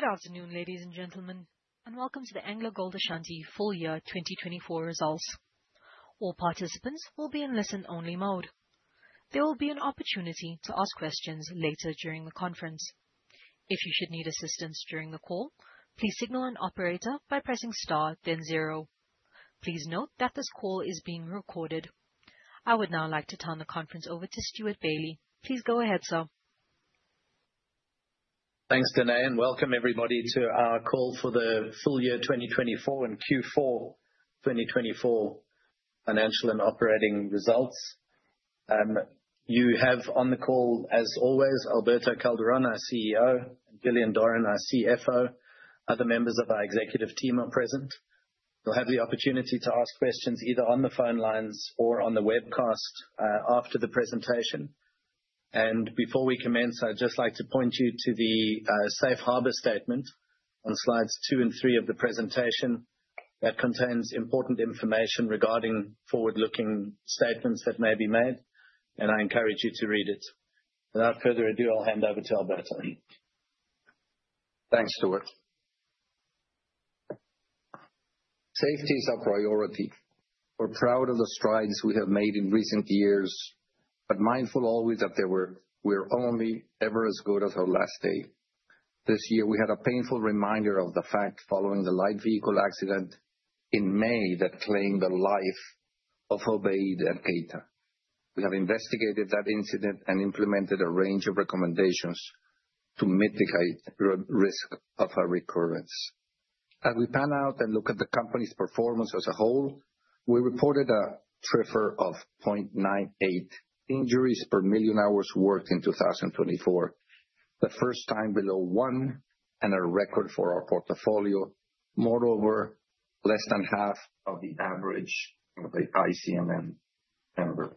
Good afternoon, ladies and gentlemen, and welcome to the AngloGold Ashanti full year 2024 results. All participants will be in listen-only mode. There will be an opportunity to ask questions later during the conference. If you should need assistance during the call, please signal an operator by pressing star, then zero. Please note that this call is being recorded. I would now like to turn the conference over to Stewart Bailey. Please go ahead, sir. Thanks, Danae, and welcome everybody to our call for the full year 2024 and Q4 2024 financial and operating results. You have on the call, as always, Alberto Calderon, our CEO, and Gillian Doran, our CFO. Other members of our executive team are present. You'll have the opportunity to ask questions either on the phone lines or on the webcast after the presentation. And before we commence, I'd just like to point you to the safe harbor statement on slides two and three of the presentation that contains important information regarding forward-looking statements that may be made, and I encourage you to read it. Without further ado, I'll hand over to Alberto. Thanks, Stewart. Safety is our priority. We're proud of the strides we have made in recent years, but mindful always that we're only ever as good as our last day. This year, we had a painful reminder of the fact following the light vehicle accident in May that claimed the life of Obed Nketsiah. We have investigated that incident and implemented a range of recommendations to mitigate the risk of a recurrence. As we pan out and look at the company's performance as a whole, we reported a TRIFR of 0.98 injuries per million hours worked in 2024, the first time below one and a record for our portfolio, moreover, less than half of the average of the ICMM members.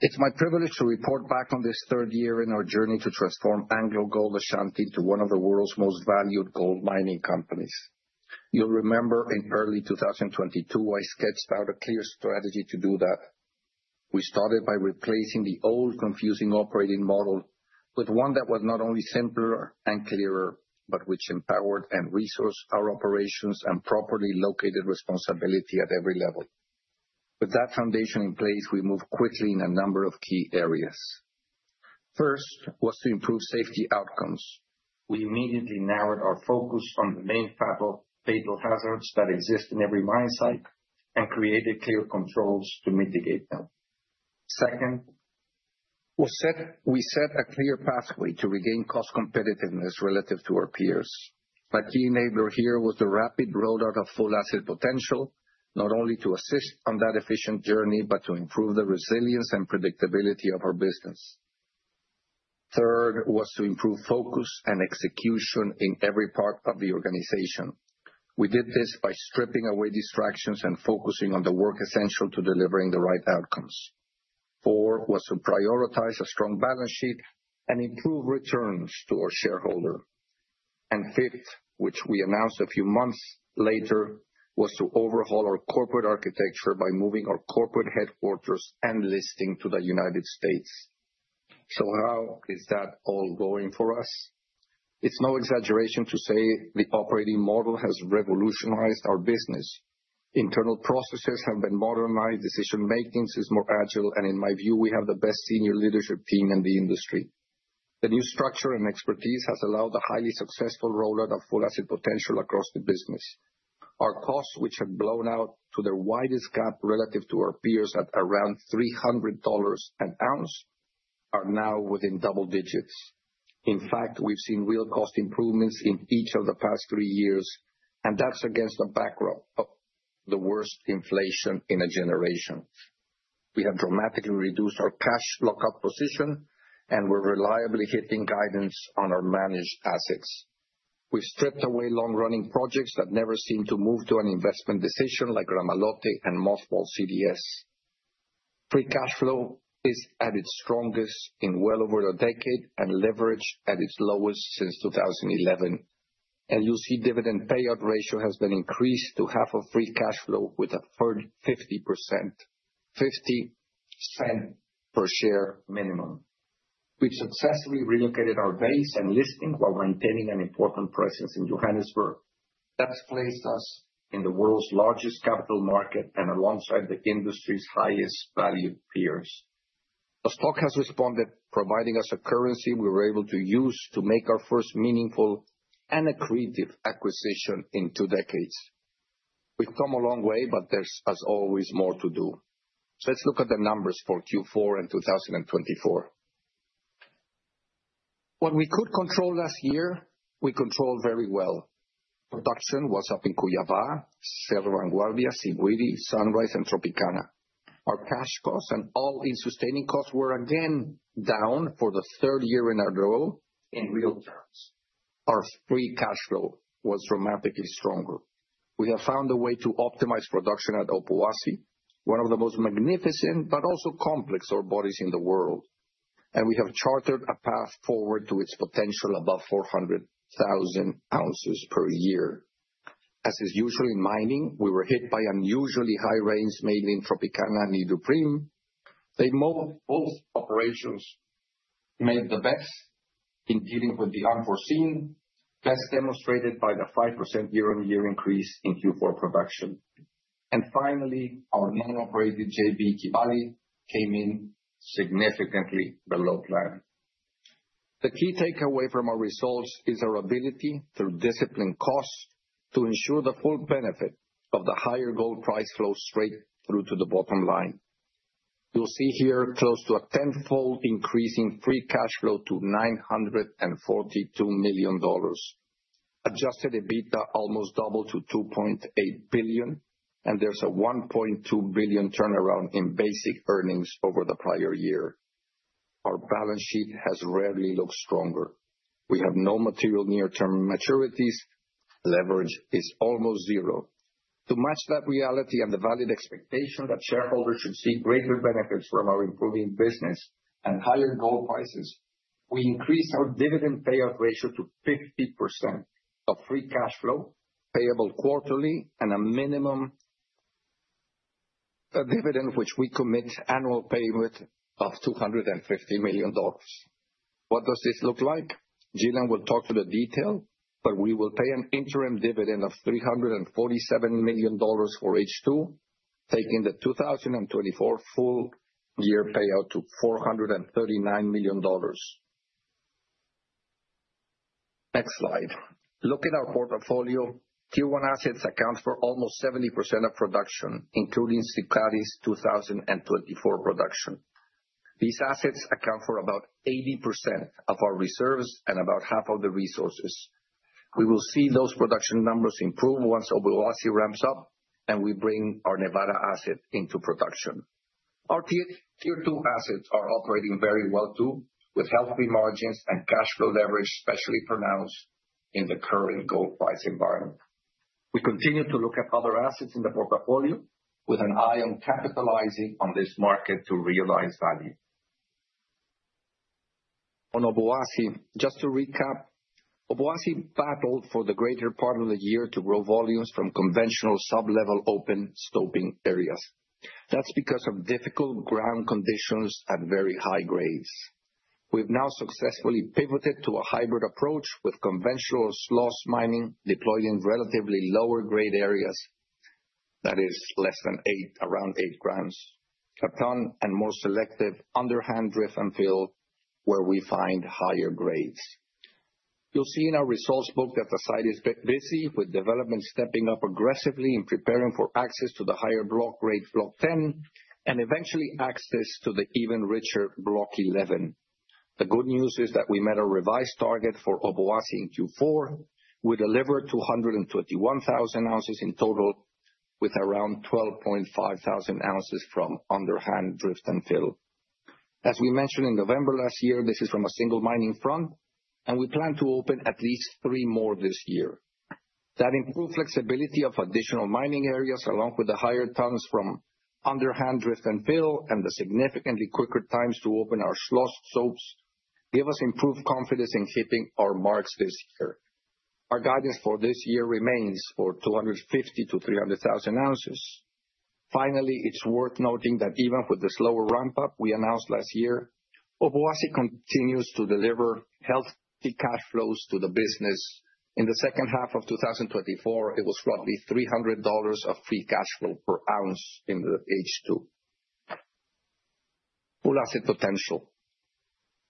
It's my privilege to report back on this third year in our journey to transform AngloGold Ashanti into one of the world's most valued gold mining companies. You'll remember in early 2022, I sketched out a clear strategy to do that. We started by replacing the old, confusing operating model with one that was not only simpler and clearer, but which empowered and resourced our operations and properly located responsibility at every level. With that foundation in place, we moved quickly in a number of key areas. First was to improve safety outcomes. We immediately narrowed our focus on the main fatal hazards that exist in every mine site and created clear controls to mitigate them. Second, we set a clear pathway to regain cost competitiveness relative to our peers. My key enabler here was the rapid rollout of Full Asset Potential, not only to assist on that efficient journey, but to improve the resilience and predictability of our business. Third was to improve focus and execution in every part of the organization. We did this by stripping away distractions and focusing on the work essential to delivering the right outcomes. Fourth was to prioritize a strong balance sheet and improve returns to our shareholder. And fifth, which we announced a few months later, was to overhaul our corporate architecture by moving our corporate headquarters and listing to the United States. So how is that all going for us? It's no exaggeration to say the operating model has revolutionized our business. Internal processes have been modernized, decision-making is more agile, and in my view, we have the best senior leadership team in the industry. The new structure and expertise has allowed the highly successful rollout of Full Asset Potential across the business. Our costs, which had blown out to their widest gap relative to our peers at around $300 an ounce, are now within double digits. In fact, we've seen real cost improvements in each of the past three years, and that's against the backdrop of the worst inflation in a generation. We have dramatically reduced our cash lock-up position, and we're reliably hitting guidance on our managed assets. We've stripped away long-running projects that never seemed to move to an investment decision like Gramalote and mothballed CdS. Free cash flow is at its strongest in well over a decade and leverage at its lowest since 2011. And you see the dividend payout ratio has been increased to half of free cash flow with a 50%, $0.50 per share minimum. We've successfully relocated our base and listing while maintaining an important presence in Johannesburg. That's placed us in the world's largest capital market and alongside the industry's highest valued peers. The stock has responded, providing us a currency we were able to use to make our first meaningful and a creative acquisition in two decades. We've come a long way, but there's, as always, more to do. Let's look at the numbers for Q4 and 2024. What we could control last year, we controlled very well. Production was up in Cuiabá, Serra Grande, Siguiri, Sunrise, and Tropicana. Our cash costs and all-in sustaining costs were again down for the third year in a row in real terms. Our free cash flow was dramatically stronger. We have found a way to optimize production at Obuasi, one of the most magnificent but also complex ore bodies in the world. We have chartered a path forward to its potential above 400,000 ounces per year. As is usual in mining, we were hit by unusually high rains mainly in Tropicana and Iduapriem. They both operations made the best in dealing with the unforeseen, best demonstrated by the 5% year-on-year increase in Q4 production. And finally, our non-operated JV Kibali came in significantly below plan. The key takeaway from our results is our ability to discipline costs to ensure the full benefit of the higher gold price flows straight through to the bottom line. You'll see here close to a tenfold increase in free cash flow to $942 million. Adjusted EBITDA almost doubled to $2.8 billion, and there's a $1.2 billion turnaround in basic earnings over the prior year. Our balance sheet has rarely looked stronger. We have no material near-term maturities. Leverage is almost zero. To match that reality and the valid expectation that shareholders should see greater benefits from our improving business and higher gold prices, we increased our dividend payout ratio to 50% of free cash flow payable quarterly and a minimum dividend, which we commit annual payment of $250 million. What does this look like? Gillian will talk to the detail, but we will pay an interim dividend of $347 million for each two, taking the 2024 full year payout to $439 million. Next slide. Look at our portfolio. Tier One assets account for almost 70% of production, including Sukari's 2024 production. These assets account for about 80% of our reserves and about half of the resources. We will see those production numbers improve once Obuasi ramps up and we bring our Nevada asset into production. Our Tier Two assets are operating very well too, with healthy margins and cash flow leverage especially pronounced in the current gold price environment. We continue to look at other assets in the portfolio with an eye on capitalizing on this market to realize value. On Obuasi, just to recap, Obuasi battled for the greater part of the year to grow volumes from conventional sub-level open stoping areas. That's because of difficult ground conditions at very high grades. We've now successfully pivoted to a hybrid approach with conventional slot stoping deployed in relatively lower grade areas. That is less than eight, around eight grams a ton and more selective underhand drift and fill where we find higher grades. You'll see in our results book that the site is busy with development stepping up aggressively in preparing for access to the higher block grade, block 10, and eventually access to the even richer block 11. The good news is that we met a revised target for Obuasi in Q4. We delivered 221,000 ounces in total with around 12,500 ounces from underhand drift and fill. As we mentioned in November last year, this is from a single mining front, and we plan to open at least three more this year. That improved flexibility of additional mining areas along with the higher tons from underhand drift and fill and the significantly quicker times to open our slot stoping give us improved confidence in hitting our marks this year. Our guidance for this year remains for 250,000-300,000 ounces. Finally, it's worth noting that even with the slower ramp-up we announced last year, Obuasi continues to deliver healthy cash flows to the business. In the second half of 2024, it was roughly $300 of free cash flow per ounce in the H2. Full Asset Potential.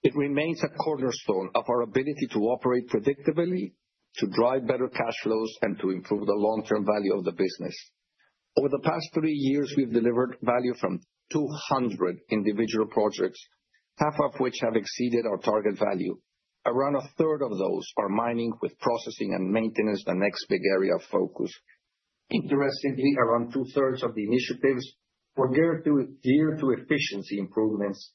It remains a cornerstone of our ability to operate predictably, to drive better cash flows, and to improve the long-term value of the business. Over the past three years, we've delivered value from 200 individual projects, half of which have exceeded our target value. Around a third of those are mining with processing and maintenance, the next big area of focus. Interestingly, around two-thirds of the initiatives were geared to efficiency improvements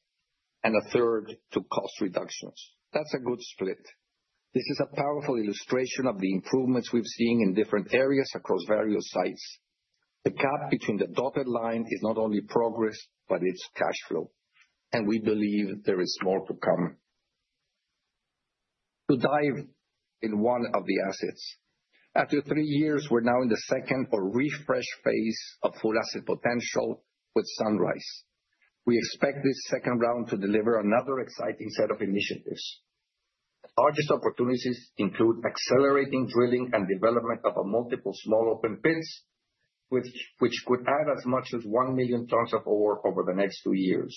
and a third to cost reductions. That's a good split. This is a powerful illustration of the improvements we've seen in different areas across various sites. The gap between the dotted line is not only progress, but it's cash flow, and we believe there is more to come. To dive into one of the assets. After three years, we're now in the second or refresh phase of Full Asset Potential with Sunrise. We expect this second round to deliver another exciting set of initiatives. The largest opportunities include accelerating drilling and development of multiple small open pits, which could add as much as one million tons of ore over the next two years.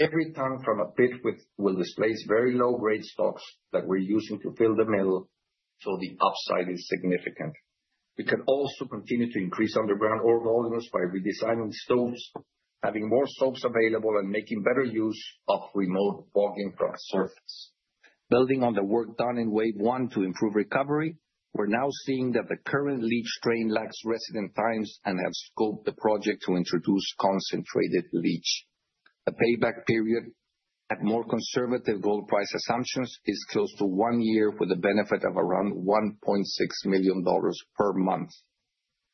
Every ton from a pit will displace very low-grade stocks that we're using to fill the mill, so the upside is significant. We can also continue to increase underground ore volumes by redesigning stopes, having more stopes available, and making better use of remote longholing from the surface. Building on the work done in wave one to improve recovery, we're now seeing that the current leach train lacks residence times and have scoped the project to introduce concentrated leach. The payback period at more conservative gold price assumptions is close to one year with a benefit of around $1.6 million per month.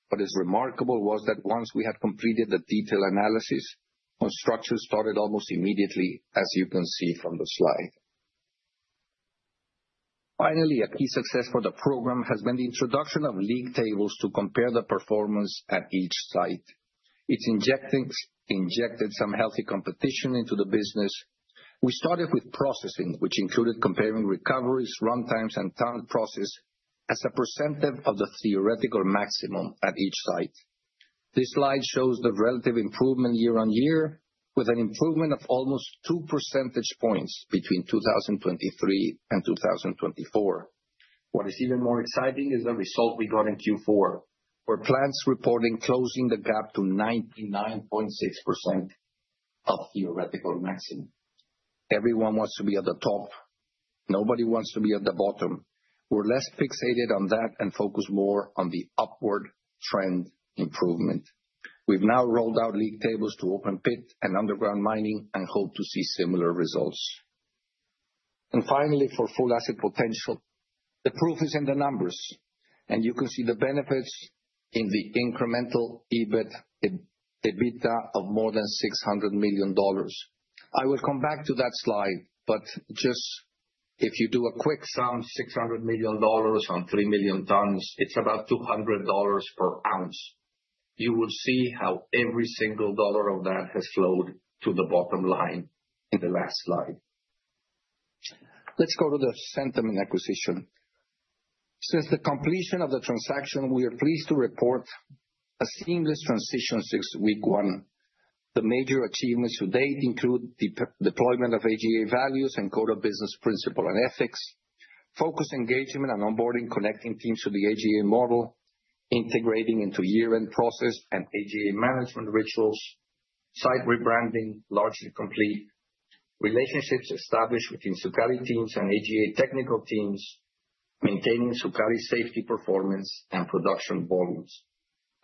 What is remarkable was that once we had completed the detailed analysis, construction started almost immediately, as you can see from the slide. Finally, a key success for the program has been the introduction of league tables to compare the performance at each site. It's injected some healthy competition into the business. We started with processing, which included comparing recoveries, run times, and tonnage processed as a percentage of the theoretical maximum at each site. This slide shows the relative improvement year-on-year, with an improvement of almost two percentage points between 2023 and 2024. What is even more exciting is the result we got in Q4, where plants reported closing the gap to 99.6% of theoretical maximum. Everyone wants to be at the top. Nobody wants to be at the bottom. We're less fixated on that and focus more on the upward trend improvement. We've now rolled out league tables to open pit and underground mining and hope to see similar results. And finally, for Full Asset Potential, the proof is in the numbers. And you can see the benefits in the incremental EBITDA of more than $600 million. I will come back to that slide, but just if you do a quick sum of $600 million on three million tons, it's about $200 per ounce. You will see how every single dollar of that has flowed to the bottom line in the last slide. Let's go to the Sukari acquisition. Since the completion of the transaction, we are pleased to report a seamless transition since week one. The major achievements to date include the deployment of AGA values and Code of Business Principles and Ethics, focus engagement and onboarding, connecting teams to the AGA model, integrating into year-end process and AGA management rituals, site rebranding largely complete, relationships established between Sukari teams and AGA technical teams, maintaining Sukari safety performance and production volumes.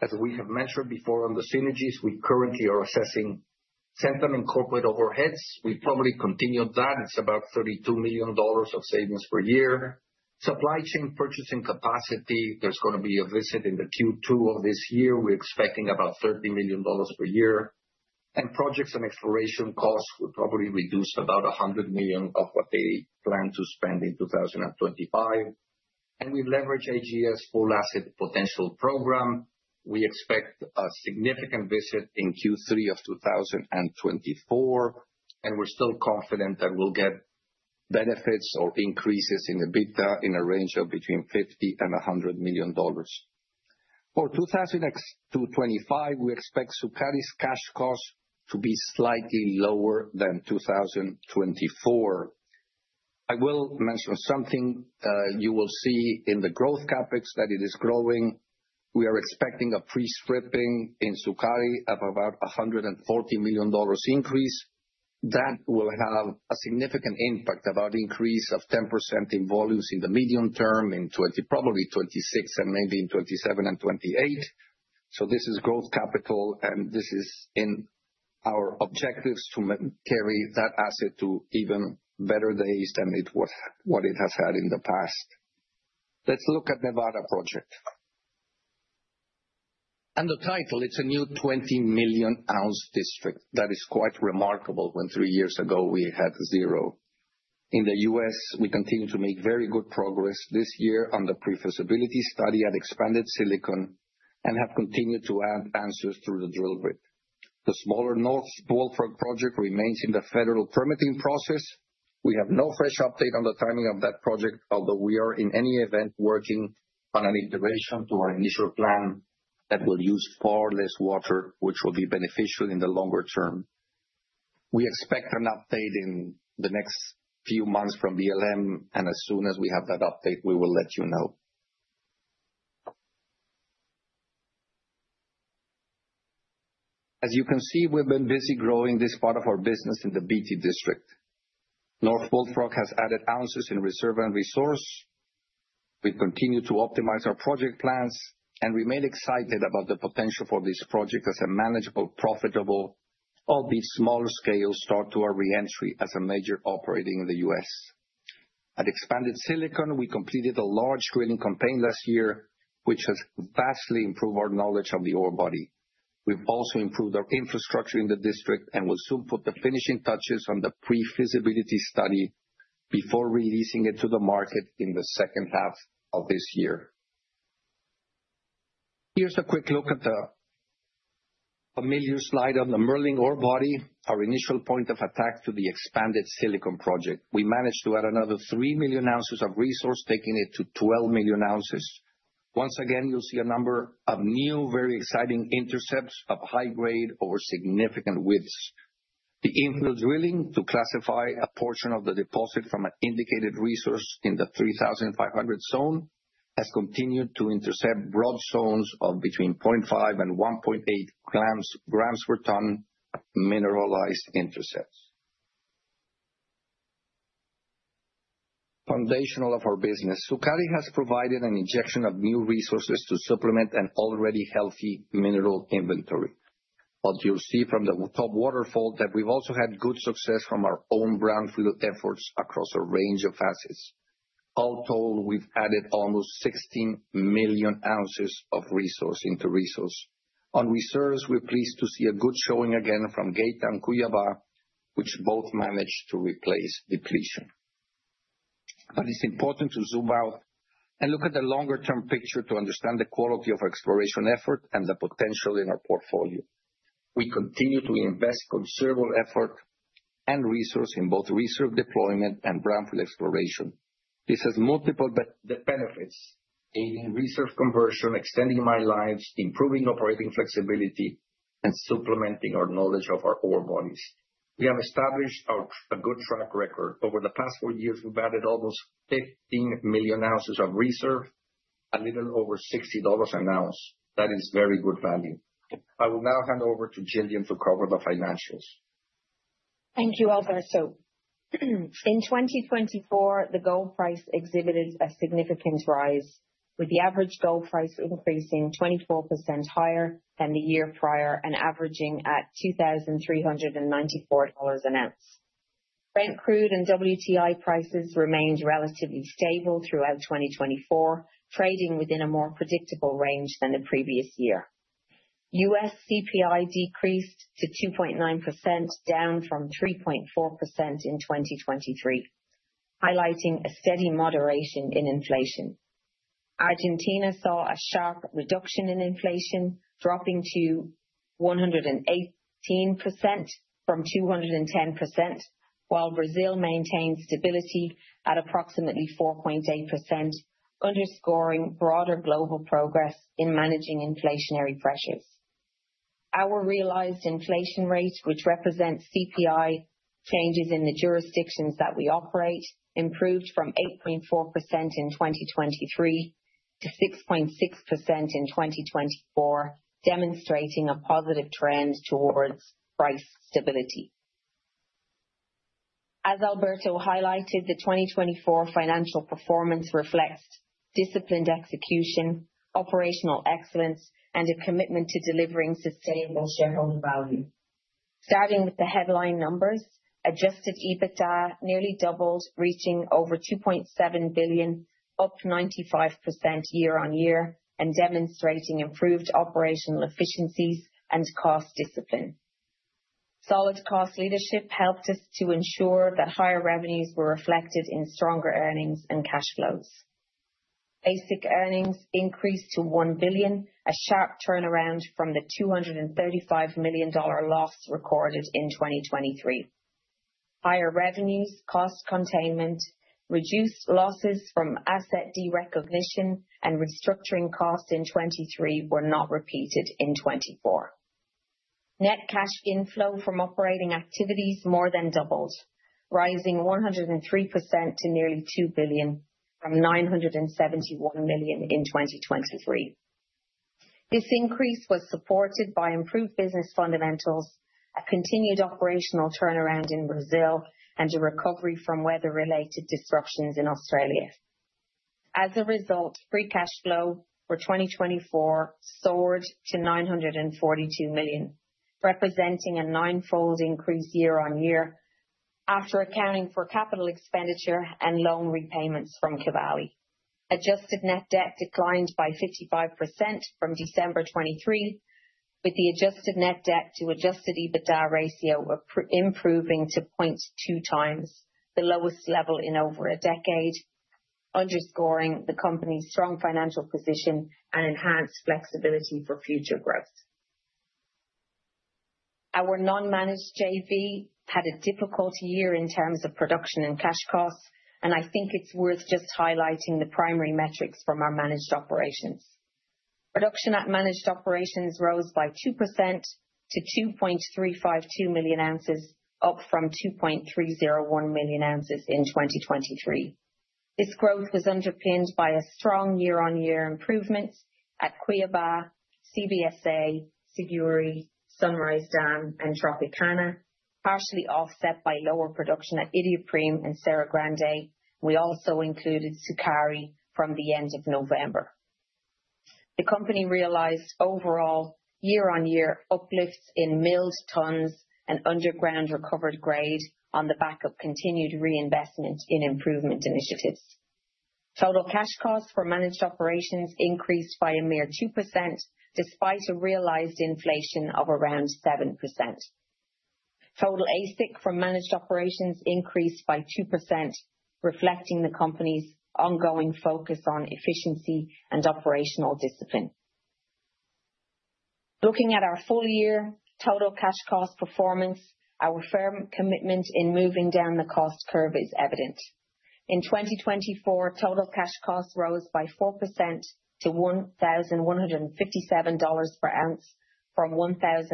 As we have mentioned before on the synergies, we currently are assessing Sukari and corporate overheads. We probably continued that. It's about $32 million of savings per year. Supply chain purchasing capacity, there's going to be a visit in the Q2 of this year. We're expecting about $30 million per year. And projects and exploration costs will probably reduce about $100 million of what they plan to spend in 2025. We leverage AGA's Full Asset Potential program. We expect a significant visit in Q3 of 2024, and we're still confident that we'll get benefits or increases in EBITDA in a range of between $50-$100 million. For 2025, we expect Sukari's cash cost to be slightly lower than 2024. I will mention something you will see in the growth CapEx that it is growing. We are expecting a pre-stripping in Sukari of about a $140 million increase. That will have a significant impact, about an increase of 10% in volumes in the medium term in probably 2026 and maybe in 2027 and 2028. This is growth capital, and this is in our objectives to carry that asset to even better days than what it has had in the past. Let's look at Nevada project. The title, it's a new 20-million-ounce district. That is quite remarkable when three years ago we had zero. In the U.S., we continue to make very good progress this year on the pre-feasibility study at Expanded Silicon and have continued to add ounces through the drilling. The smaller North Bullfrog project remains in the federal permitting process. We have no fresh update on the timing of that project, although we are in any event working on an iteration to our initial plan that will use far less water, which will be beneficial in the longer term. We expect an update in the next few months from BLM, and as soon as we have that update, we will let you know. As you can see, we've been busy growing this part of our business in the Beatty District. North Bullfrog has added ounces in reserve and resource. We continue to optimize our project plans and remain excited about the potential for this project as a manageable, profitable, albeit smaller scale start to our re-entry as a major operating in the U.S. At Expanded Silicon, we completed a large drilling campaign last year, which has vastly improved our knowledge of the ore body. We've also improved our infrastructure in the district and will soon put the finishing touches on the pre-feasibility study before releasing it to the market in the second half of this year. Here's a quick look at the familiar slide on the Merlin ore body, our initial point of attack to the Expanded Silicon project. We managed to add another three million ounces of resource, taking it to 12 million ounces. Once again, you'll see a number of new, very exciting intercepts of high grade over significant widths. The infill drilling to classify a portion of the deposit from an indicated resource in the 3,500 zone has continued to intercept broad zones of between 0.5 and 1.8 grams per ton mineralized intercepts. Foundational of our business, Sukari has provided an injection of new resources to supplement an already healthy mineral inventory. What you'll see from the top waterfall that we've also had good success from our own brownfield efforts across a range of assets. All told, we've added almost 16 million ounces of resource into resource. On reserves, we're pleased to see a good showing again from Geita and Cuiabá, which both managed to replace depletion. But it's important to zoom out and look at the longer-term picture to understand the quality of our exploration effort and the potential in our portfolio. We continue to invest considerable effort and resource in both reserve deployment and brownfield exploration. This has multiple benefits in reserve conversion, extending mile lines, improving operating flexibility, and supplementing our knowledge of our ore bodies. We have established a good track record. Over the past four years, we've added almost 15 million ounces of reserve, a little over $60 an ounce. That is very good value. I will now hand over to Gillian to cover the financials. Thank you, Alberto. In 2024, the gold price exhibited a significant rise, with the average gold price increasing 24% higher than the year prior and averaging at $2,394 an ounce. Brent crude and WTI prices remained relatively stable throughout 2024, trading within a more predictable range than the previous year. US CPI decreased to 2.9%, down from 3.4% in 2023, highlighting a steady moderation in inflation. Argentina saw a sharp reduction in inflation, dropping to 118% from 210%, while Brazil maintained stability at approximately 4.8%, underscoring broader global progress in managing inflationary pressures. Our realized inflation rate, which represents CPI changes in the jurisdictions that we operate, improved from 8.4% in 2023 to 6.6% in 2024, demonstrating a positive trend towards price stability. As Alberto highlighted, the 2024 financial performance reflects disciplined execution, operational excellence, and a commitment to delivering sustainable shareholder value. Starting with the headline numbers, Adjusted EBITDA nearly doubled, reaching over $2.7 billion, up 95% year-on-year, and demonstrating improved operational efficiencies and cost discipline. Solid cost leadership helped us to ensure that higher revenues were reflected in stronger earnings and cash flows. Basic earnings increased to $1 billion, a sharp turnaround from the $235 million loss recorded in 2023. Higher revenues, cost containment, reduced losses from asset derecognition, and restructuring costs in 2023 were not repeated in 2024. Net cash inflow from operating activities more than doubled, rising 103% to nearly $2 billion from $971 million in 2023. This increase was supported by improved business fundamentals, a continued operational turnaround in Brazil, and a recovery from weather-related disruptions in Australia. As a result, free cash flow for 2024 soared to $942 million, representing a nine-fold increase year-on-year after accounting for capital expenditure and loan repayments from Kibali. Adjusted net debt declined by 55% from December 2023, with the adjusted net debt to Adjusted EBITDA ratio improving to 0.2 times, the lowest level in over a decade, underscoring the company's strong financial position and enhanced flexibility for future growth. Our non-managed JV had a difficult year in terms of production and cash costs, and I think it's worth just highlighting the primary metrics from our managed operations. Production at managed operations rose by 2% to 2.352 million ounces, up from 2.301 million ounces in 2023. This growth was underpinned by a strong year-on-year improvement at Cuiabá, Cerro Vanguardia, Siguiri, Sunrise Dam, and Tropicana, partially offset by lower production at Iduapriem and Serra Grande. We also included Sukari from the end of November. The company realized overall year-on-year uplifts in milled tons and underground recovered grade on the back of continued reinvestment in improvement initiatives. Total cash costs for managed operations increased by a mere 2%, despite a realized inflation of around 7%. Total AISC from managed operations increased by 2%, reflecting the company's ongoing focus on efficiency and operational discipline. Looking at our full-year total cash cost performance, our firm commitment in moving down the cost curve is evident. In 2024, total cash costs rose by 4% to $1,157 per ounce from $1,115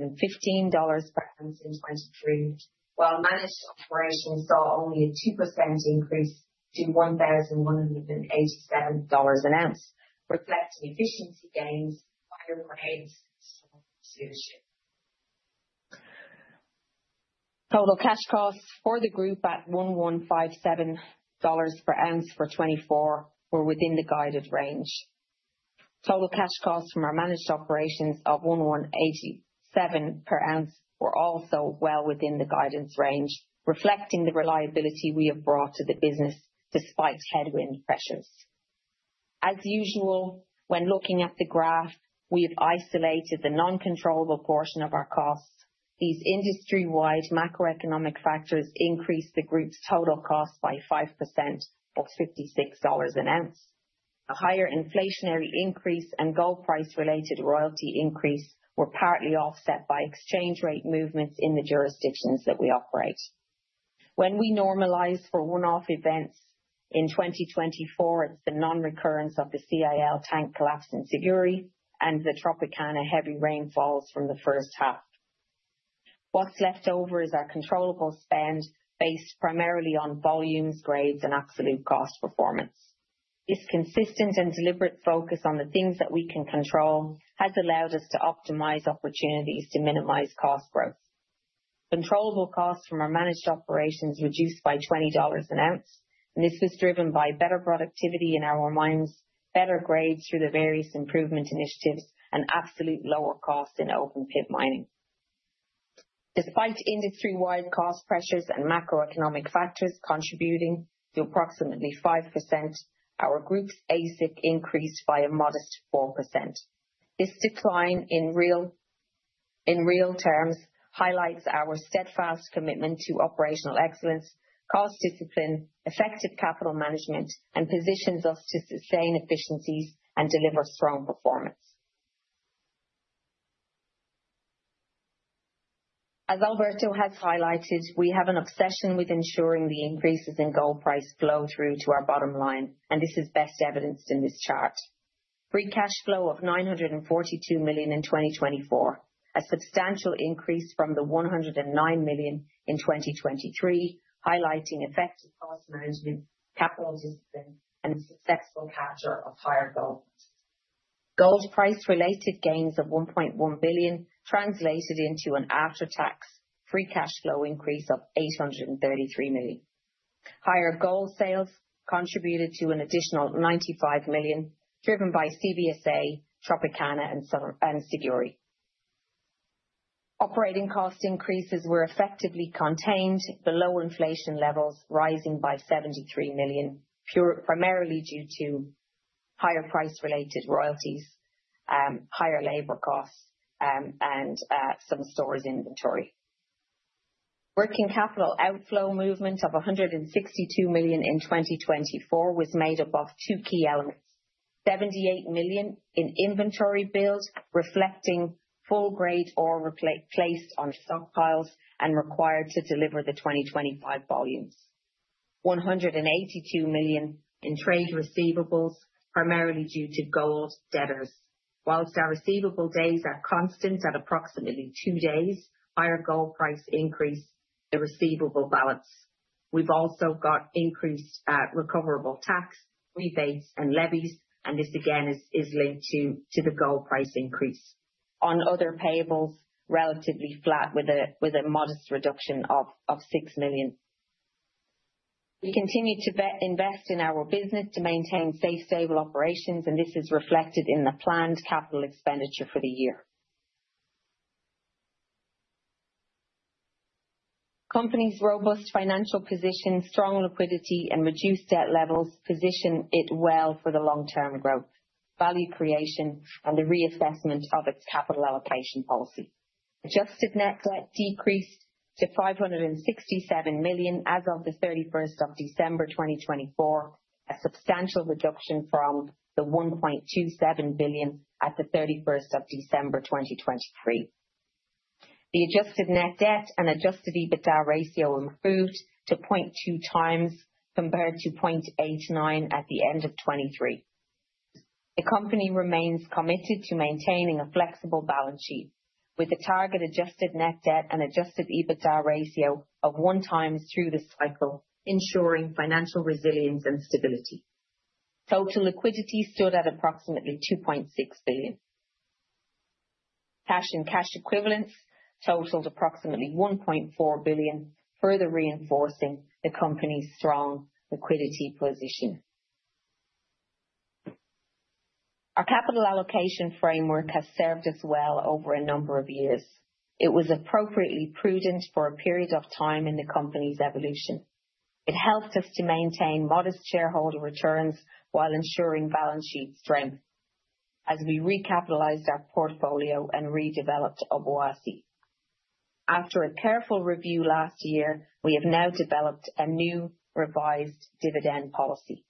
per ounce in 2023, while managed operations saw only a 2% increase to $1,187 an ounce, reflecting efficiency gains, higher grades, and stronger leadership. Total cash costs for the group at $1,157 per ounce for 2024 were within the guided range. Total cash costs from our managed operations of $1,187 per ounce were also well within the guidance range, reflecting the reliability we have brought to the business despite headwind pressures. As usual, when looking at the graph, we have isolated the non-controllable portion of our costs. These industry-wide macroeconomic factors increased the group's total cost by 5%, or $56 an ounce. A higher inflationary increase and gold price-related royalty increase were partly offset by exchange rate movements in the jurisdictions that we operate. When we normalize for one-off events in 2024, it's the non-recurrence of the CIL tank collapse in Siguiri and the Tropicana heavy rainfalls from the first half. What's left over is our controllable spend based primarily on volumes, grades, and absolute cost performance. This consistent and deliberate focus on the things that we can control has allowed us to optimize opportunities to minimize cost growth. Controllable costs from our managed operations reduced by $20 an ounce, and this was driven by better productivity in our mines, better grades through the various improvement initiatives, and absolute lower cost in open-pit mining. Despite industry-wide cost pressures and macroeconomic factors contributing to approximately 5%, our group's AISC increased by a modest 4%. This decline in real terms highlights our steadfast commitment to operational excellence, cost discipline, effective capital management, and positions us to sustain efficiencies and deliver strong performance. As Alberto has highlighted, we have an obsession with ensuring the increases in gold price flow through to our bottom line, and this is best evidenced in this chart. Free cash flow of $942 million in 2024, a substantial increase from the $109 million in 2023, highlighting effective cost management, capital discipline, and successful capture of higher gold. Gold price-related gains of $1.1 billion translated into an after-tax free cash flow increase of $833 million. Higher gold sales contributed to an additional $95 million, driven by CVSA, Tropicana, and Siguiri. Operating cost increases were effectively contained below inflation levels, rising by $73 million, primarily due to higher price-related royalties, higher labor costs, and some stores' inventory. Working capital outflow movement of $162 million in 2024 was made up of two key elements: $78 million in inventory build, reflecting full grade ore replaced on stockpiles and required to deliver the 2025 volumes, and $182 million in trade receivables, primarily due to gold debtors. While our receivable days are constant at approximately two days, higher gold price increased the receivable balance. We've also got increased recoverable tax, rebates, and levies, and this again is linked to the gold price increase. On other payables, relatively flat with a modest reduction of $6 million. We continue to invest in our business to maintain safe, stable operations, and this is reflected in the planned capital expenditure for the year. Company's robust financial position, strong liquidity, and reduced debt levels position it well for the long-term growth, value creation, and the reassessment of its capital allocation policy. Adjusted net debt decreased to $567 million as of the 31st of December 2024, a substantial reduction from the $1.27 billion at the 31st of December 2023. The adjusted net debt and adjusted EBITDA ratio improved to 0.2 times compared to 0.89 at the end of 2023. The company remains committed to maintaining a flexible balance sheet, with a target adjusted net debt and adjusted EBITDA ratio of one times through the cycle, ensuring financial resilience and stability. Total liquidity stood at approximately $2.6 billion. Cash and cash equivalents totaled approximately $1.4 billion, further reinforcing the company's strong liquidity position. Our capital allocation framework has served us well over a number of years. It was appropriately prudent for a period of time in the company's evolution. It helped us to maintain modest shareholder returns while ensuring balance sheet strength as we recapitalized our portfolio and redeveloped Obuasi. After a careful review last year, we have now developed a new revised dividend policy.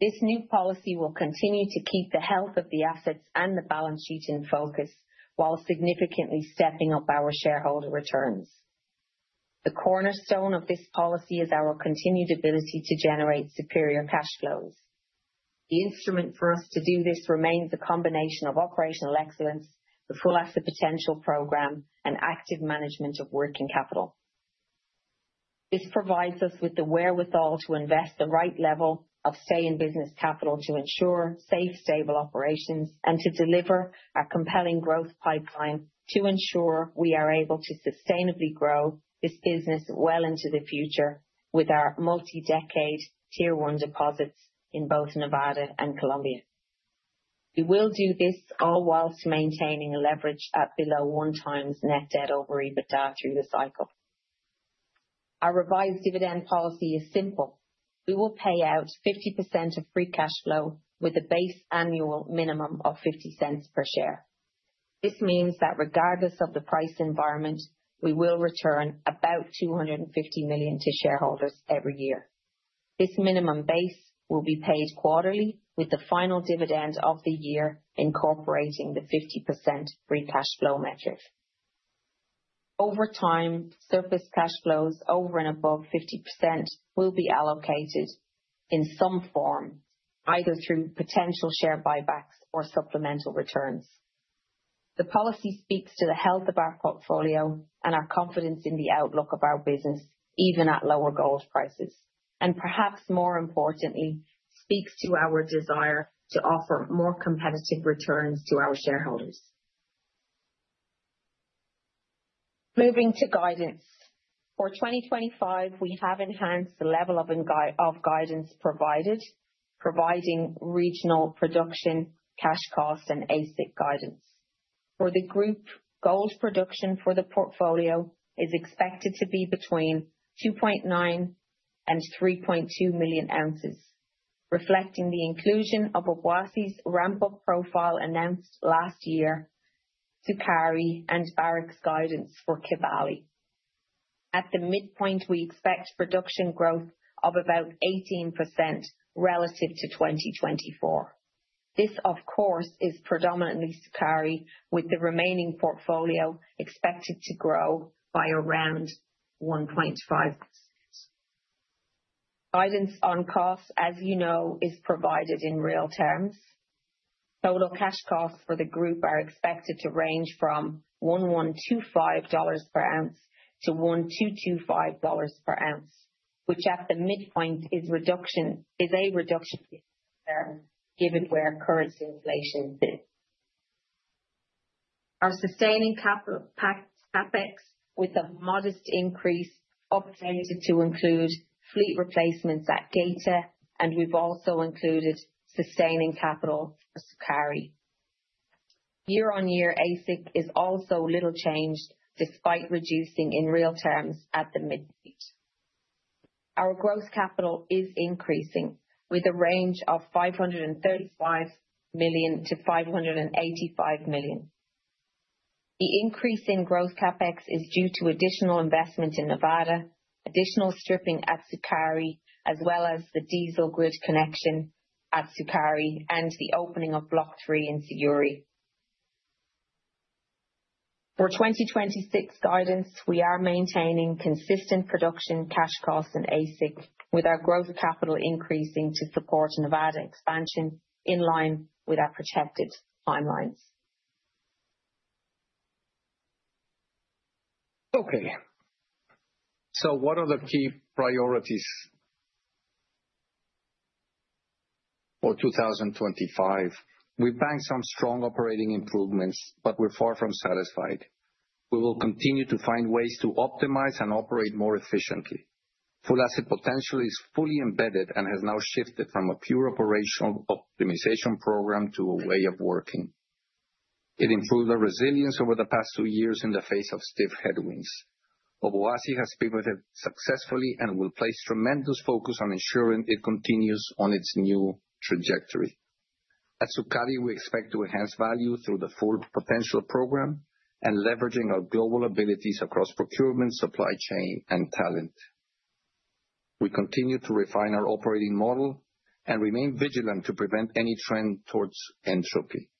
This new policy will continue to keep the health of the assets and the balance sheet in focus while significantly stepping up our shareholder returns. The cornerstone of this policy is our continued ability to generate superior cash flows. The instrument for us to do this remains a combination of operational excellence, the Full Asset Potential program, and active management of working capital. This provides us with the wherewithal to invest the right level of stay-in-business capital to ensure safe, stable operations and to deliver a compelling growth pipeline to ensure we are able to sustainably grow this business well into the future with our multi-decade Tier One deposits in both Nevada and Colombia. We will do this all while maintaining leverage at below one times net debt over EBITDA through the cycle. Our revised dividend policy is simple. We will pay out 50% of free cash flow with a base annual minimum of $0.50 per share. This means that regardless of the price environment, we will return about $250 million to shareholders every year. This minimum base will be paid quarterly with the final dividend of the year, incorporating the 50% free cash flow metric. Over time, surplus cash flows over and above 50% will be allocated in some form, either through potential share buybacks or supplemental returns. The policy speaks to the health of our portfolio and our confidence in the outlook of our business, even at lower gold prices, and perhaps more importantly, speaks to our desire to offer more competitive returns to our shareholders. Moving to guidance. For 2025, we have enhanced the level of guidance provided, providing regional production, cash cost, and AISC guidance. For the group, gold production for the portfolio is expected to be between 2.9 and 3.2 million ounces, reflecting the inclusion of Obuasi's ramp-up profile announced last year to Barrick's guidance for Kibali. At the midpoint, we expect production growth of about 18% relative to 2024. This, of course, is predominantly Sukari, with the remaining portfolio expected to grow by around 1.5%. Guidance on costs, as you know, is provided in real terms. Total cash costs for the group are expected to range from $1,125 per ounce to $1,225 per ounce, which at the midpoint is a reduction given where current inflation sits. Our sustaining capital CapEx, with a modest increase, updated to include fleet replacements at Geita, and we've also included sustaining capital for Sukari. Year-on-year AISC is also little changed despite reducing in real terms at the midpoint. Our gross capital is increasing with a range of $535 million-$585 million. The increase in gross CapEx is due to additional investment in Nevada, additional stripping at Sukari, as well as the diesel grid connection at Sukari and the opening of Block 3 in Siguiri. For 2026 guidance, we are maintaining consistent production, cash costs, and AISC, with our gross capital increasing to support Nevada expansion in line with our projected timelines. Okay. So what are the key priorities for 2025? We've banked some strong operating improvements, but we're far from satisfied. We will continue to find ways to optimize and operate more efficiently. Full Asset Potential is fully embedded and has now shifted from a pure operational optimization program to a way of working. It improved our resilience over the past two years in the face of stiff headwinds. Obuasi has pivoted successfully and will place tremendous focus on ensuring it continues on its new trajectory. At Sukari, we expect to enhance value through the Full Asset Potential and leveraging our global abilities across procurement, supply chain, and talent. We continue to refine our operating model and remain vigilant to prevent any trend towards entropy.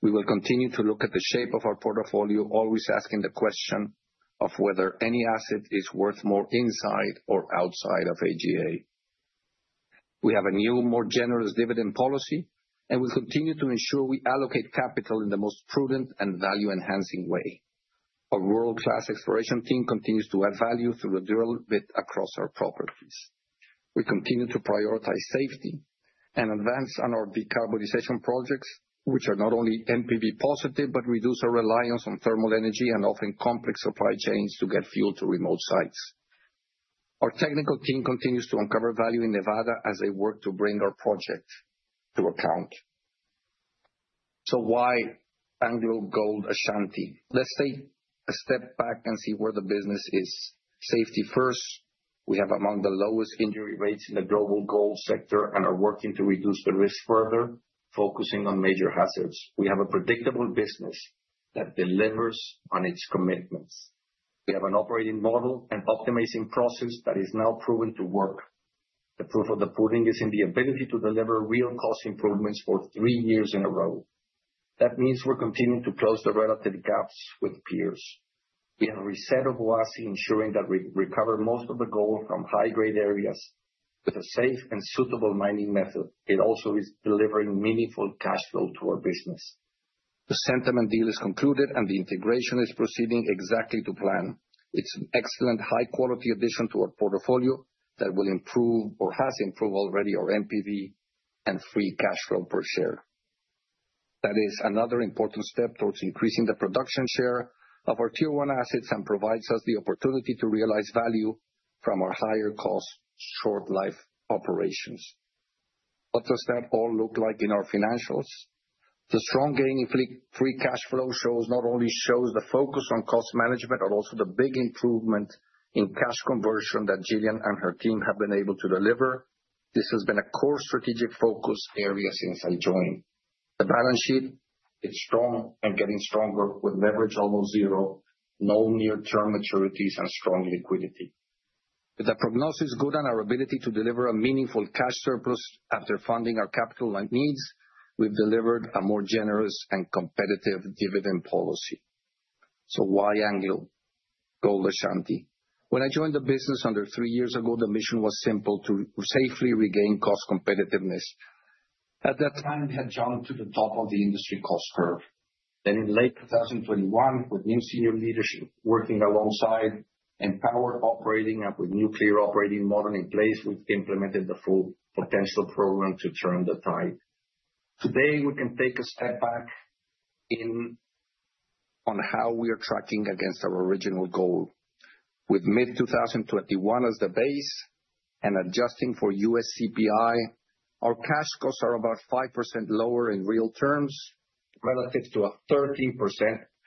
We will continue to look at the shape of our portfolio, always asking the question of whether any asset is worth more inside or outside of AGA. We have a new, more generous dividend policy, and we'll continue to ensure we allocate capital in the most prudent and value-enhancing way. Our world-class exploration team continues to add value through the drill bit across our properties. We continue to prioritize safety and advance on our decarbonization projects, which are not only NPV positive but reduce our reliance on thermal energy and often complex supply chains to get fuel to remote sites. Our technical team continues to uncover value in Nevada as they work to bring our project to account. So why AngloGold Ashanti? Let's take a step back and see where the business is. Safety first. We have among the lowest injury rates in the global gold sector and are working to reduce the risk further, focusing on major hazards. We have a predictable business that delivers on its commitments. We have an operating model and optimizing process that is now proven to work. The proof of the pudding is in the ability to deliver real cost improvements for three years in a row. That means we're continuing to close the relative gaps with peers. We have reset Obuasi, ensuring that we recover most of the gold from high-grade areas with a safe and suitable mining method. It also is delivering meaningful cash flow to our business. The Sukari deal is concluded, and the integration is proceeding exactly to plan. It's an excellent, high-quality addition to our portfolio that will improve or has improved already our NPV and free cash flow per share. That is another important step towards increasing the production share of our Tier One assets and provides us the opportunity to realize value from our higher cost, short-life operations. What does that all look like in our financials? The strong gain in free cash flow shows not only the focus on cost management, but also the big improvement in cash conversion that Gillian and her team have been able to deliver. This has been a core strategic focus area since I joined. The balance sheet is strong and getting stronger with leverage almost zero, no near-term maturities, and strong liquidity. With the prognosis good on our ability to deliver a meaningful cash surplus after funding our capital needs, we've delivered a more generous and competitive dividend policy. So why AngloGold Ashanti? When I joined the business under three years ago, the mission was simple: to safely regain cost competitiveness. At that time, we had jumped to the top of the industry cost curve. Then, in late 2021, with new senior leadership working alongside and empowered operating and with new clear operating model in place, we implemented the full potential program to turn the tide. Today, we can take a step back on how we are tracking against our original goal. With mid-2021 as the base and adjusting for U.S. CPI, our cash costs are about 5% lower in real terms relative to a 13%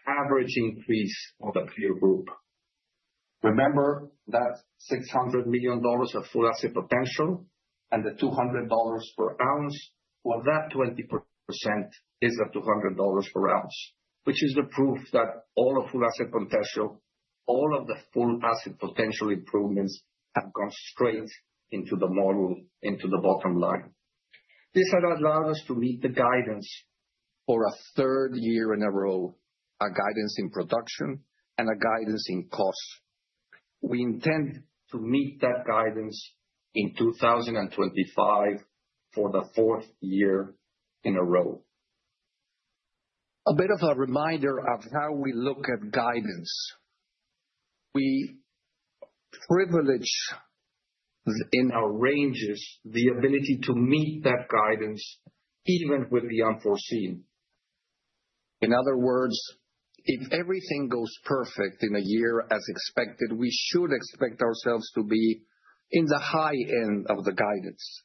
average increase of the peer group. Remember that $600 million of Full Asset Potential and the $200 per ounce? Well, that 20% is the $200 per ounce, which is the proof that all of Full Asset Potential, all of the Full Asset Potential improvements have gone straight into the model, into the bottom line. This has allowed us to meet the guidance for a third year in a row, a guidance in production and a guidance in cost. We intend to meet that guidance in 2025 for the fourth year in a row. A bit of a reminder of how we look at guidance. We privilege in our ranges the ability to meet that guidance even with the unforeseen. In other words, if everything goes perfect in a year as expected, we should expect ourselves to be in the high end of the guidance.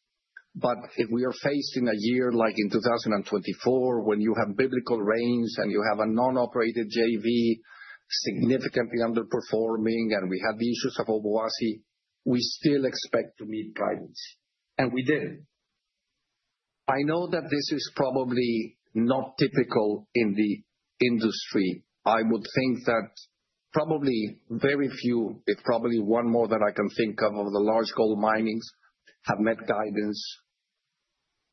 But if we are facing a year like in 2024, when you have biblical rains and you have a non-operated JV significantly underperforming and we had the issues of Obuasi, we still expect to meet guidance. And we did. I know that this is probably not typical in the industry. I would think that probably very few, if probably one more that I can think of of the large gold miners have met guidance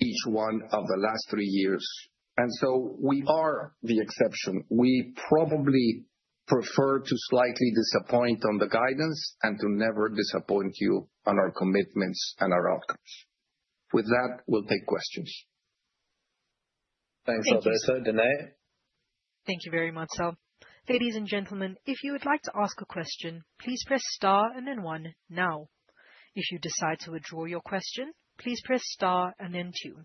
each one of the last three years. And so we are the exception. We probably prefer to slightly disappoint on the guidance and to never disappoint you on our commitments and our outcomes. With that, we'll take questions. Thanks, Alberto. Danae? Thank you very much, Alberto. Ladies and gentlemen, if you would like to ask a question, please press star and then one now. If you decide to withdraw your question, please press star and then two.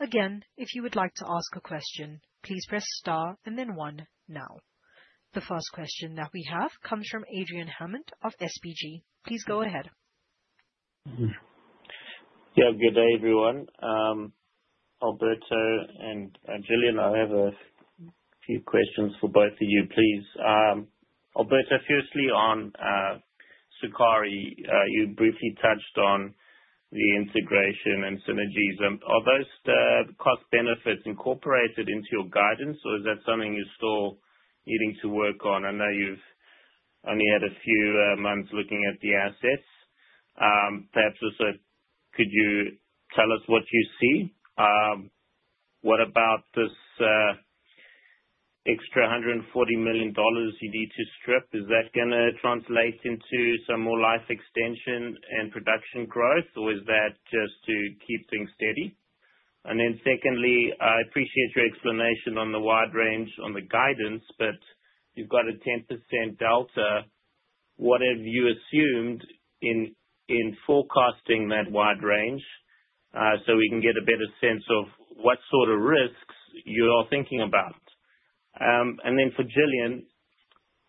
Again, if you would like to ask a question, please press star and then one now. The first question that we have comes from Adrian Hammond of SBG. Please go ahead. Yeah, good day, everyone. Alberto and Gillian, I have a few questions for both of you, please. Alberto, firstly on Sukari, you briefly touched on the integration and synergies. Are those cost benefits incorporated into your guidance, or is that something you're still needing to work on? I know you've only had a few months looking at the assets. Perhaps also, could you tell us what you see? What about this extra $140 million you need to strip? Is that going to translate into some more life extension and production growth, or is that just to keep things steady? And then secondly, I appreciate your explanation on the wide range on the guidance, but you've got a 10% delta. What have you assumed in forecasting that wide range so we can get a better sense of what sort of risks you're thinking about? And then for Gillian,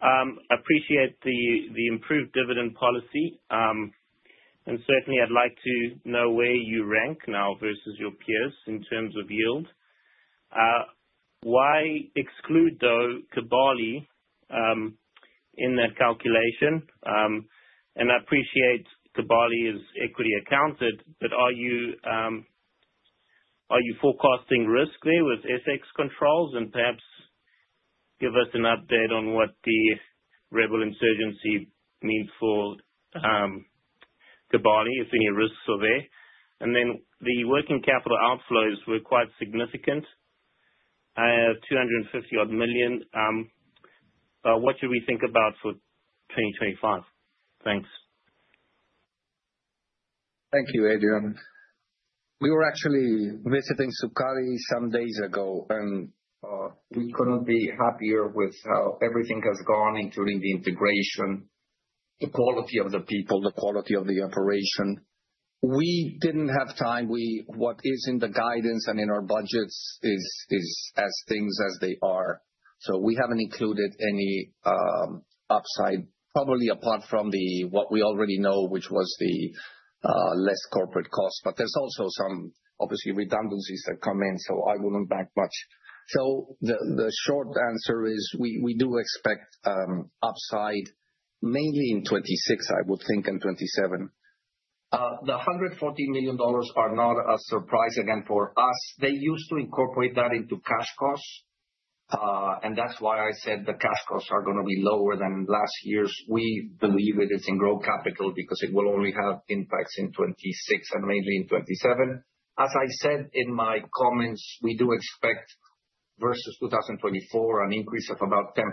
I appreciate the improved dividend policy. And certainly, I'd like to know where you rank now versus your peers in terms of yield. Why exclude, though, Kibali in that calculation? And I appreciate Kibali is equity accounted, but are you forecasting risk there with SX controls and perhaps give us an update on what the rebel insurgency means for Kibali, if any risks are there? And then the working capital outflows were quite significant, $250-odd million. What should we think about for 2025? Thanks. Thank you, Adrian. We were actually visiting Sukari some days ago, and we couldn't be happier with how everything has gone, including the integration, the quality of the people, the quality of the operation. We didn't have time. What is in the guidance and in our budgets is as things as they are. So we haven't included any upside, probably apart from what we already know, which was the less corporate cost. But there's also some, obviously, redundancies that come in, so I wouldn't bank much. So the short answer is we do expect upside, mainly in 2026, I would think, and 2027. The $140 million are not a surprise again for us. They used to incorporate that into cash costs, and that's why I said the cash costs are going to be lower than last year's. We believe it is in growth capital because it will only have impacts in 2026 and mainly in 2027. As I said in my comments, we do expect versus 2024 an increase of about 10%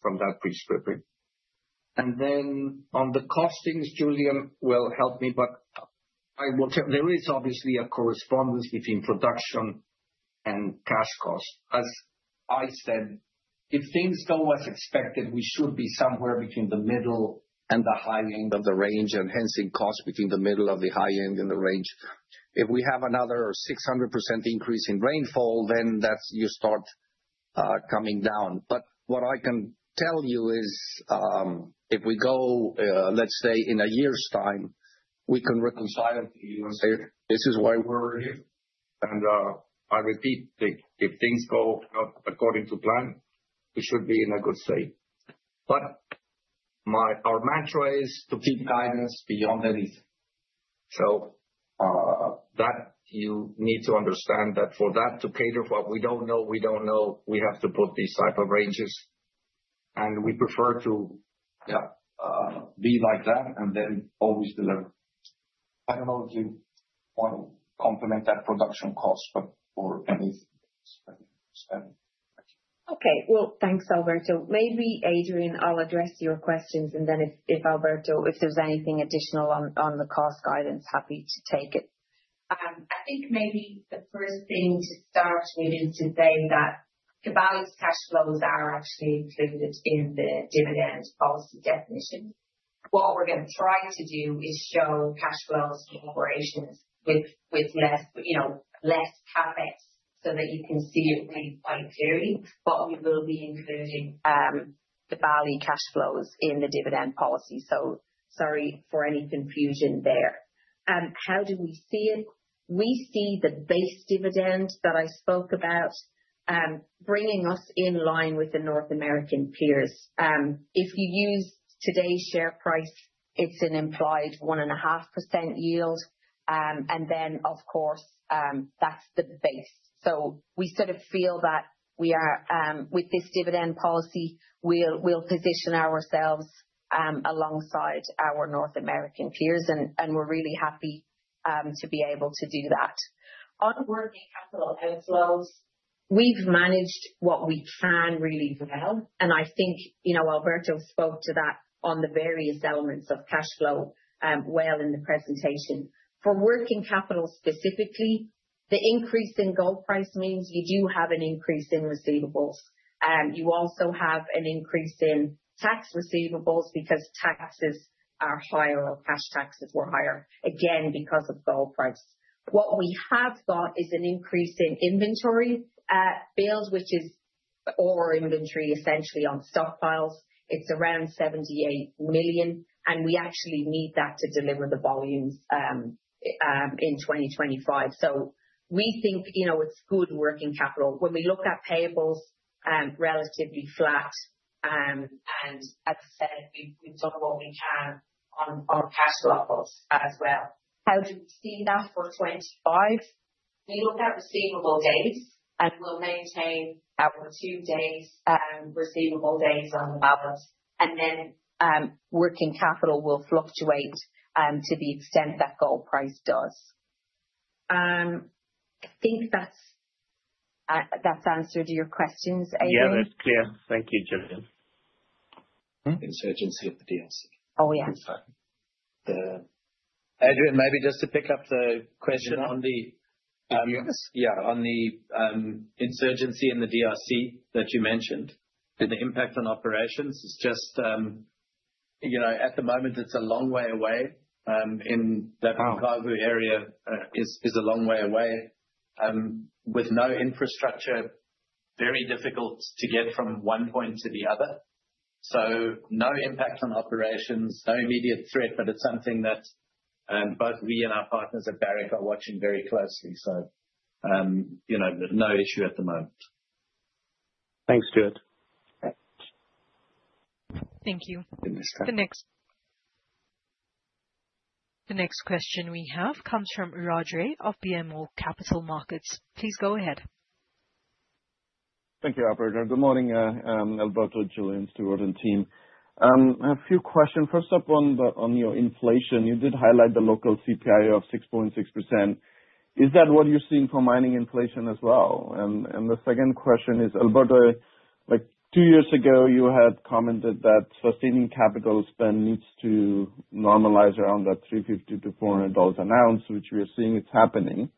from that pre-stripping. And then on the costings, Gillian will help me, but there is obviously a correspondence between production and cash cost. As I said, if things go as expected, we should be somewhere between the middle and the high end of the range and hence in cost between the middle and the high end of the range. If we have another 600% increase in rainfall, then that's when you start coming down. But what I can tell you is if we go, let's say, in a year's time, we can reconcile to you and say, "This is why we're here." And I repeat, if things go according to plan, we should be in a good state. But our mantra is to keep guidance beyond anything. So that you need to understand that for that to cater for what we don't know, we don't know. We have to put these type of ranges. And we prefer to be like that and then always deliver. I don't know if you want to comment on that production cost, but for anything. Okay. Well, thanks, Alberto. Maybe Adrian, I'll address your questions, and then if Alberto, if there's anything additional on the cost guidance, happy to take it. I think maybe the first thing to start with is to say that Kibali's cash flows are actually included in the dividend policy definition. What we're going to try to do is show cash flows from operations with less CapEx so that you can see it really quite clearly, but we will be including Kibali cash flows in the dividend policy. So sorry for any confusion there. How do we see it? We see the base dividend that I spoke about bringing us in line with the North American peers. If you use today's share price, it's an implied 1.5% yield. And then, of course, that's the base. So we sort of feel that with this dividend policy, we'll position ourselves alongside our North American peers, and we're really happy to be able to do that. On working capital outflows, we've managed what we can really well. I think Alberto spoke to that on the various elements of cash flow well in the presentation. For working capital specifically, the increase in gold price means you do have an increase in receivables. You also have an increase in tax receivables because taxes are higher or cash taxes were higher, again, because of gold price. What we have got is an increase in inventory build, which is ore inventory, essentially, on stockpiles. It's around $78 million, and we actually need that to deliver the volumes in 2025. So we think it's good working capital. When we look at payables, relatively flat, and as I said, we've done what we can on cash levels as well. How do we see that for 2025? We look at receivable days, and we'll maintain our two receivable days on the balance sheet. And then working capital will fluctuate to the extent that gold price does. I think that's answered your questions, Adrian. Yeah, that's clear. Thank you, Gillian. Insurgency at the DRC. Oh, yes. Adrian, maybe just to pick up the question on the. Yeah, on the insurgency in the DRC that you mentioned, and the impact on operations is just at the moment. It's a long way away. In the Abu Ghafo area, it's a long way away with no infrastructure, very difficult to get from one point to the other. So no impact on operations, no immediate threat, but it's something that both we and our partners at Barrick are watching very closely. So no issue at the moment. Thanks, Stewart. Thank you. The next question we have comes from Raj of BMO Capital Markets. Please go ahead. Thank you, Alberto. Good morning, Alberto, Gillian, Stewart, and team. A few questions. First up, on your inflation, you did highlight the local CPI of 6.6%. Is that what you're seeing for mining inflation as well? And the second question is, Alberto, two years ago, you had commented that sustaining capital spend needs to normalize around that $350-$400 an ounce, which we are seeing is happening.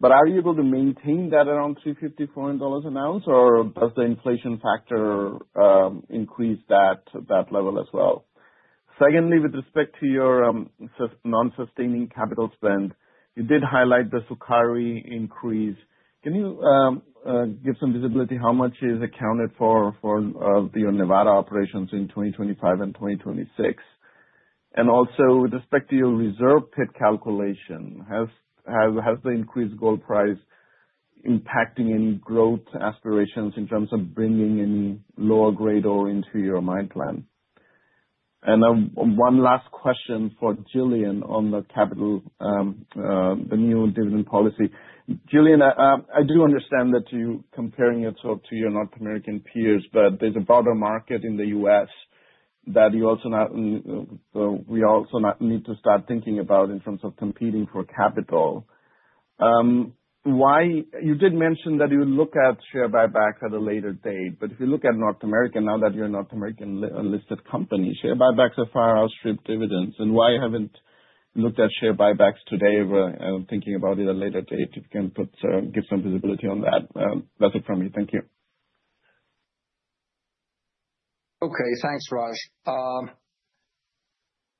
But are you able to maintain that around $350-$400 an ounce, or does the inflation factor increase that level as well? Secondly, with respect to your non-sustaining capital spend, you did highlight the Sukari increase. Can you give some visibility how much is accounted for your Nevada operations in 2025 and 2026? And also, with respect to your reserve pit calculation, has the increased gold price impacting any growth aspirations in terms of bringing any lower grade ore into your mine plan? And one last question for Gillian on the new dividend policy. Gillian, I do understand that you're comparing it to your North American peers, but there's a broader market in the U.S. that we also need to start thinking about in terms of competing for capital. You did mention that you would look at share buybacks at a later date, but if you look at North America, now that you're a North American-listed company, share buybacks are far outstripped dividends. And why haven't you looked at share buybacks today? I'm thinking about it at a later date if you can give some visibility on that. That's it from me. Thank you. Okay, thanks, Raj.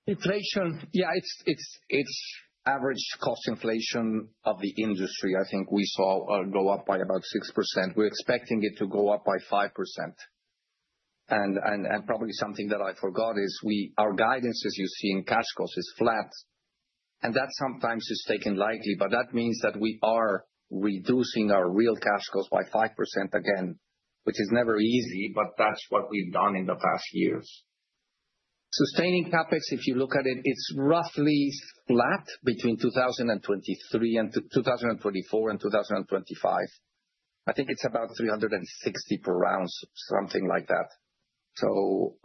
Inflation, yeah, it's average cost inflation of the industry. I think we saw it go up by about 6%. We're expecting it to go up by 5%. Probably something that I forgot is our guidance, as you see in cash cost, is flat. That sometimes is taken lightly, but that means that we are reducing our real cash cost by 5% again, which is never easy, but that's what we've done in the past years. Sustaining CapEx, if you look at it, it's roughly flat between 2023 and 2024 and 2025. I think it's about $360 per ounce, something like that. So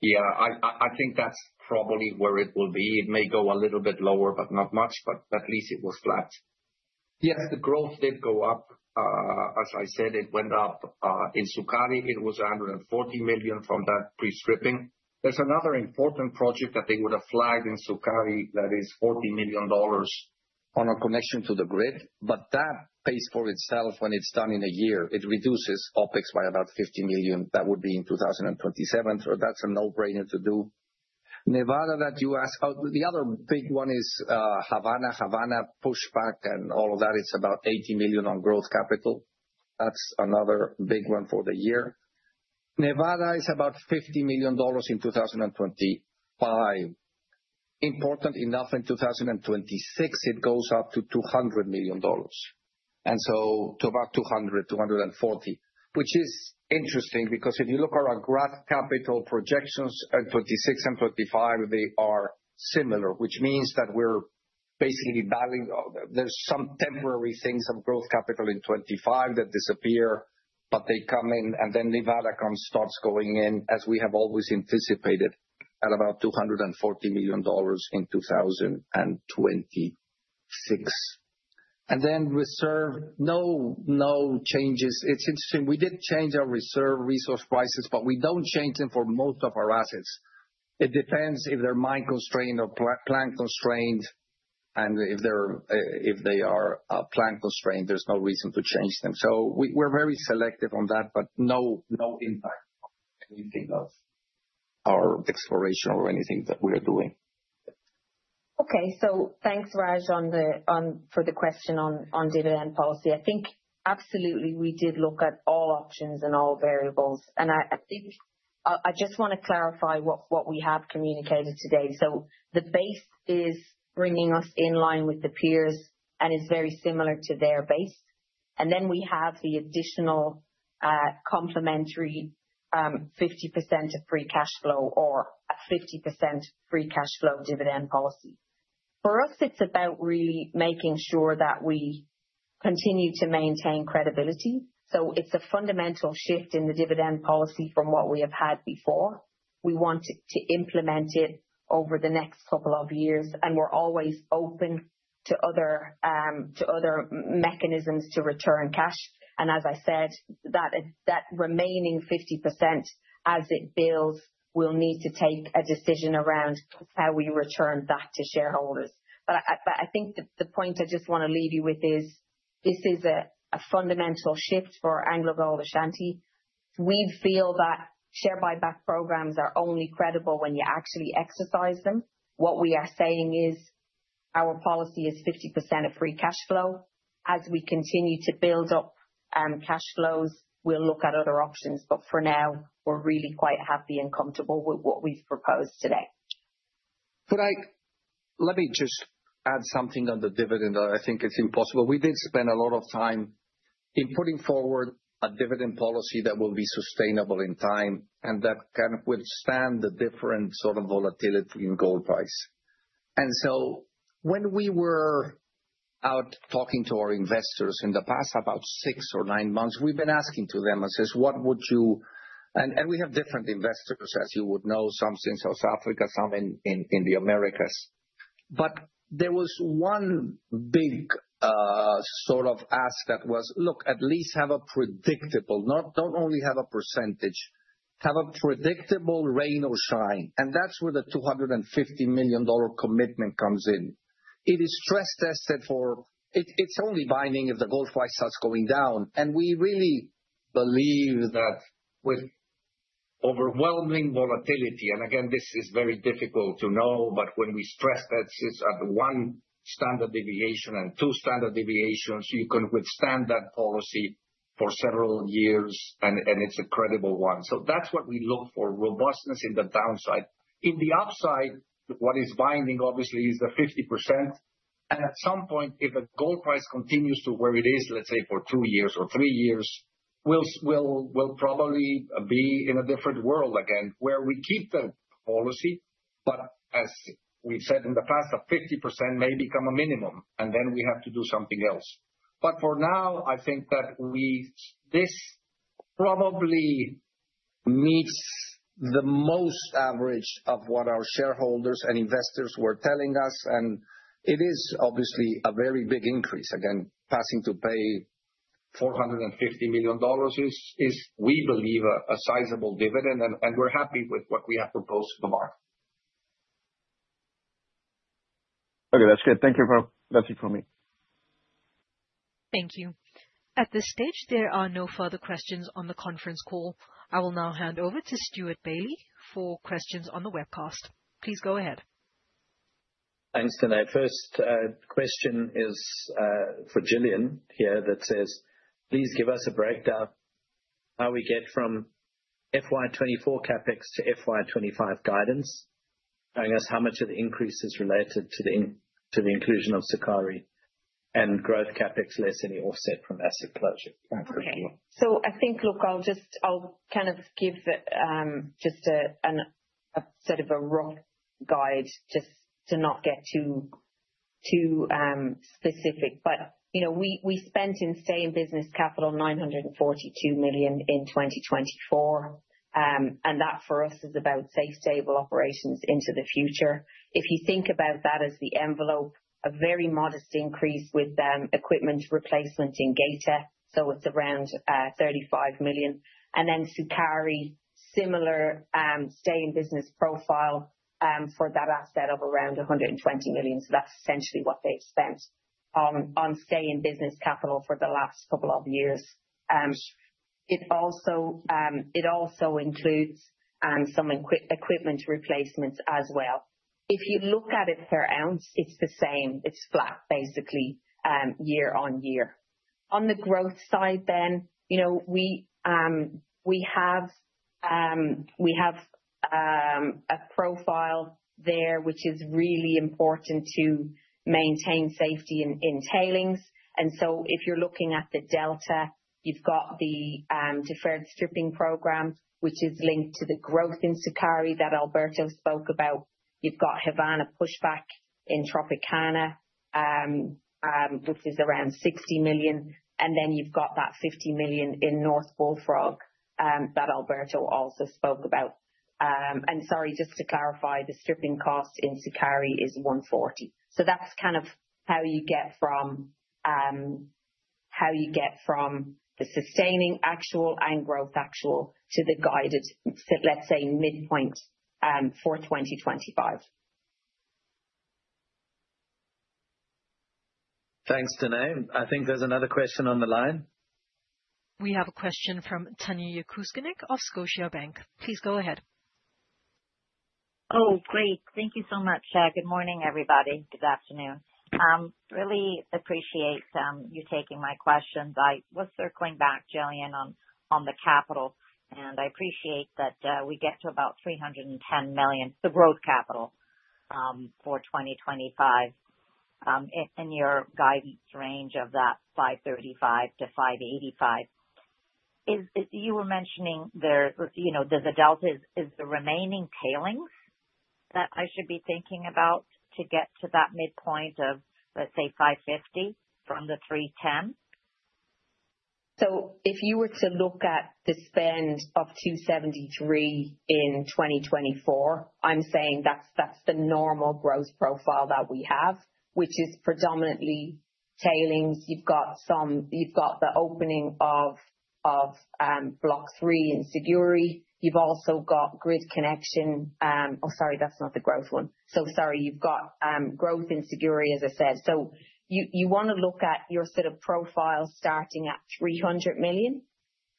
yeah, I think that's probably where it will be. It may go a little bit lower, but not much, but at least it was flat. Yes, the growth did go up. As I said, it went up. In Sukari, it was $140 million from that pre-stripping. There's another important project that they would have flagged in Sukari that is $40 million on a connection to the grid, but that pays for itself when it's done in a year. It reduces OpEx by about $50 million. That would be in 2027, so that's a no-brainer to do. Nevada, that you asked about, the other big one is Havana. Havana pushback and all of that, it's about $80 million on growth capital. That's another big one for the year. Nevada is about $50 million in 2025. Importantly, in 2026, it goes up to $200 million. And so to about $200 million-$240 million, which is interesting because if you look at our CapEx projections at 2026 and 2025, they are similar, which means that we're basically balancing. There's some temporary things of growth capital in 2025 that disappear, but they come in, and then Nevada starts going in, as we have always anticipated, at about $240 million in 2026. And then reserve, no changes. It's interesting. We did change our reserve resource prices, but we don't change them for most of our assets. It depends if they're mine-constrained or plant-constrained, and if they are plant-constrained, there's no reason to change them. So we're very selective on that, but no impact on anything of our exploration or anything that we are doing. Okay, so thanks, Raj, for the question on dividend policy. I think absolutely we did look at all options and all variables. And I think I just want to clarify what we have communicated today. So the base is bringing us in line with the peers and is very similar to their base. And then we have the additional complementary 50% of free cash flow or 50% free cash flow dividend policy. For us, it's about really making sure that we continue to maintain credibility. So it's a fundamental shift in the dividend policy from what we have had before. We want to implement it over the next couple of years, and we're always open to other mechanisms to return cash. And as I said, that remaining 50% as it builds, we'll need to take a decision around how we return that to shareholders. But I think the point I just want to leave you with is this is a fundamental shift for AngloGold Ashanti. We feel that share buyback programs are only credible when you actually exercise them. What we are saying is our policy is 50% of free cash flow. As we continue to build up cash flows, we'll look at other options. But for now, we're really quite happy and comfortable with what we've proposed today. Let me just add something on the dividend. I think it's impossible. We did spend a lot of time in putting forward a dividend policy that will be sustainable in time and that can withstand the different sort of volatility in gold price. And so when we were out talking to our investors in the past, about six or nine months, we've been asking to them and says, "What would you?" And we have different investors, as you would know, some in South Africa, some in the Americas. But there was one big sort of ask that was, "Look, at least have a predictable, not only have a percentage, have a predictable rain or shine." And that's where the $250 million commitment comes in. It is stress tested for it's only binding if the gold price starts going down. And we really believe that with overwhelming volatility, and again, this is very difficult to know, but when we stress that it's at one standard deviation and two standard deviations, you can withstand that policy for several years, and it's a credible one. So that's what we look for: robustness in the downside. In the upside, what is binding, obviously, is the 50%. And at some point, if the gold price continues to where it is, let's say for two years or three years, we'll probably be in a different world again where we keep the policy. But as we've said in the past, a 50% may become a minimum, and then we have to do something else. But for now, I think that this probably meets the most average of what our shareholders and investors were telling us. And it is obviously a very big increase. Again, passing to pay $450 million is, we believe, a sizable dividend, and we're happy with what we have proposed so far. Okay, that's good. Thank you for me. Thank you. At this stage, there are no further questions on the conference call. I will now hand over to Stewart Bailey for questions on the webcast. Please go ahead. Thanks, Gillian. First question is for Gillian here that says, "Please give us a breakdown of how we get from FY24 CapEx to FY25 guidance, showing us how much of the increase is related to the inclusion of Sukari and growth CapEx less any offset from asset closure." Okay. So I think, look, I'll just kind of give just a sort of a rough guide just to not get too specific. But we spent in sustaining capital $942 million in 2024. And that for us is about safe, stable operations into the future. If you think about that as the envelope, a very modest increase with equipment replacement in Geita, so it's around $35 million. And then Sukari, similar sustaining capital profile for that asset of around $120 million. So that's essentially what they've spent on sustaining capital for the last couple of years. It also includes some equipment replacements as well. If you look at it per ounce, it's the same. It's flat, basically, year-on-year. On the growth side then, we have a profile there which is really important to maintain safety in tailings. And so if you're looking at the delta, you've got the deferred stripping program, which is linked to the growth in Sukari that Alberto spoke about. You've got Havana pushback in Tropicana, which is around $60 million. And then you've got that $50 million in North Bullfrog that Alberto also spoke about. And sorry, just to clarify, the stripping cost in Sukari is $140 million. So that's kind of how you get from how you get from the sustaining actual and growth actual to the guided, let's say, midpoint for 2025. Thanks, Danae. I think there's another question on the line. We have a question from Tanya Jakusconek of Scotiabank. Please go ahead. Oh, great. Thank you so much. Good morning, everybody. Good afternoon. Really appreciate you taking my questions. I was circling back, Gillian, on the capital, and I appreciate that we get to about $310 million, the growth capital for 2025, in your guidance range of that $535 million to $585 million. You were mentioning there's a delta. Is the remaining tailings that I should be thinking about to get to that midpoint of, let's say, $550 million from the $310 million? So if you were to look at the spend of $273 million in 2024, I'm saying that's the normal growth profile that we have, which is predominantly tailings. You've got the opening of Block 3 in Siguiri. You've also got grid connection. Oh, sorry, that's not the growth one. So sorry, you've got growth in Siguiri, as I said. So you want to look at your sort of profile starting at $300 million.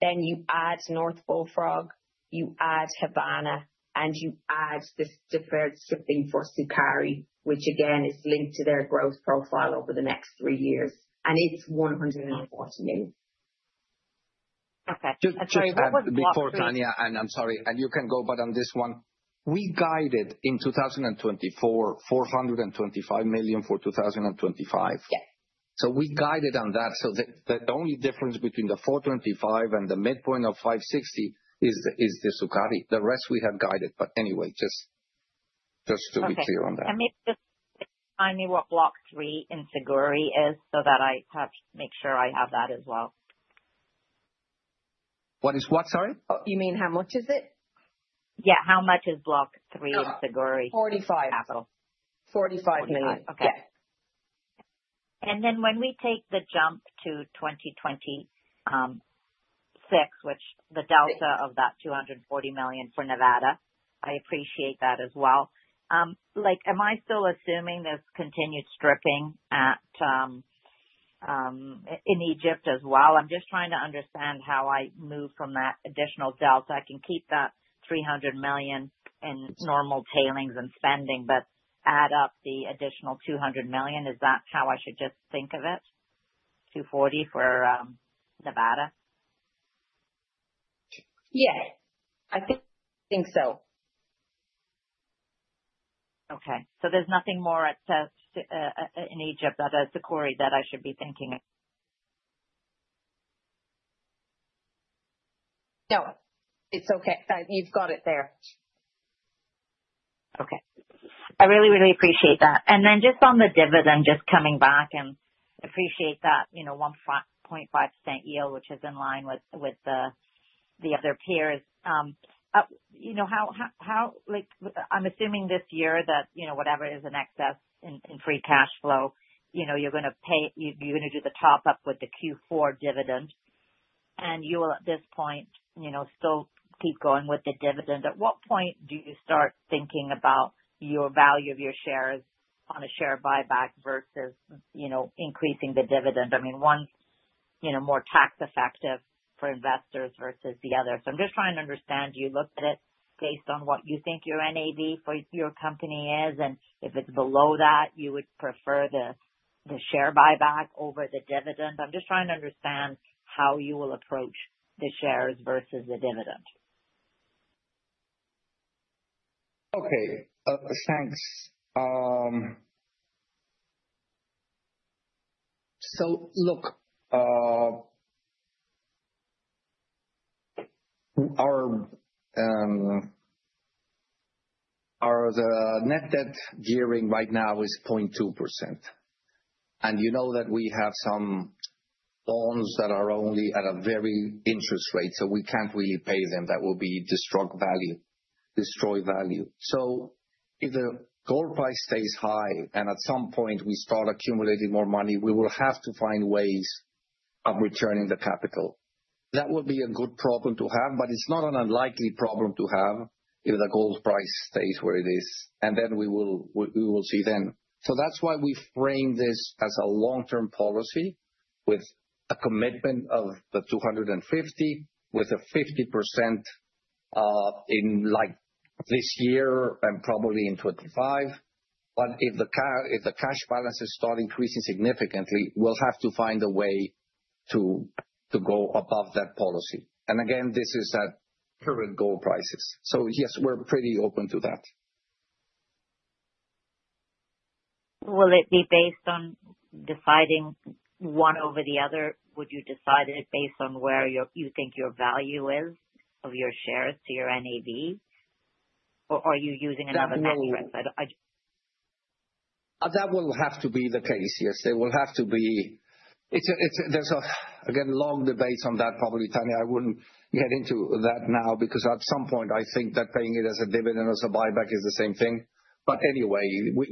Then you add North Bullfrog, you add Havana, and you add this deferred stripping for Sukari, which, again, is linked to their growth profile over the next three years. And it's $140 million. Okay. Sorry, that was the question. Before, Tanya, and I'm sorry, and you can go back on this one. We guided in 2024, $425 million for 2025. So we guided on that. So the only difference between the $425 million and the midpoint of $560 million is the Sukari. The rest we have guided. But anyway, just to be clear on that. Can you just remind me what Block 3 in Siguiri is so that I make sure I have that as well? What is what, sorry? You mean how much is it? Yeah. How much is Block 3 in Siguiri? $45 million capital. Okay. And then when we take the jump to 2026, which the delta of that $240 million for Nevada, I appreciate that as well. Am I still assuming there's continued stripping in Egypt as well? I'm just trying to understand how I move from that additional delta. I can keep that $300 million in normal tailings and spending, but add up the additional $200 million. Is that how I should just think of it? $240 for Nevada? Yes, I think so. Okay. So there's nothing more in Egypt that has Sukari that I should be thinking of? No, it's okay. You've got it there. Okay. I really, really appreciate that. And then just on the dividend, just coming back and appreciate that 1.5% yield, which is in line with the other peers. I'm assuming this year that whatever is in excess in free cash flow, you're going to do the top-up with the Q4 dividend. And you will, at this point, still keep going with the dividend. At what point do you start thinking about your value of your shares on a share buyback versus increasing the dividend? I mean, one more tax-effective for investors versus the other. So I'm just trying to understand. You look at it based on what you think your NAV for your company is, and if it's below that, you would prefer the share buyback over the dividend. I'm just trying to understand how you will approach the shares versus the dividend. Okay. Thanks. So look, our net debt gearing right now is 0.2%. And you know that we have some bonds that are only at a very low interest rate, so we can't really pay them. That will be destroyed value. So if the gold price stays high and at some point we start accumulating more money, we will have to find ways of returning the capital. That will be a good problem to have, but it's not an unlikely problem to have if the gold price stays where it is. And then we will see then. So that's why we frame this as a long-term policy with a commitment of the 250, with a 50% in this year and probably in 25. But if the cash balances start increasing significantly, we'll have to find a way to go above that policy. And again, this is at current gold prices. So yes, we're pretty open to that. Will it be based on deciding one over the other? Would you decide it based on where you think your value is of your shares to your NAV? Or are you using another metric? That will have to be the case. Yes, it will have to be. There's a, again, long debate on that, probably, Tanya. I wouldn't get into that now because at some point, I think that paying it as a dividend or as a buyback is the same thing. But anyway,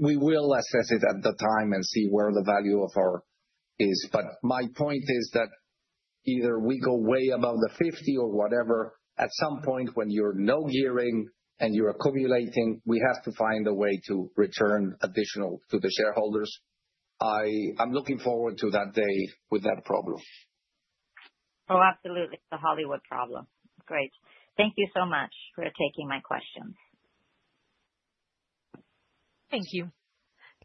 we will assess it at the time and see where the value of our is. But my point is that either we go way above the 50 or whatever, at some point when you're no gearing and you're accumulating, we have to find a way to return additional to the shareholders. I'm looking forward to that day with that problem. Oh, absolutely. The Hollywood problem. Great. Thank you so much for taking my questions. Thank you.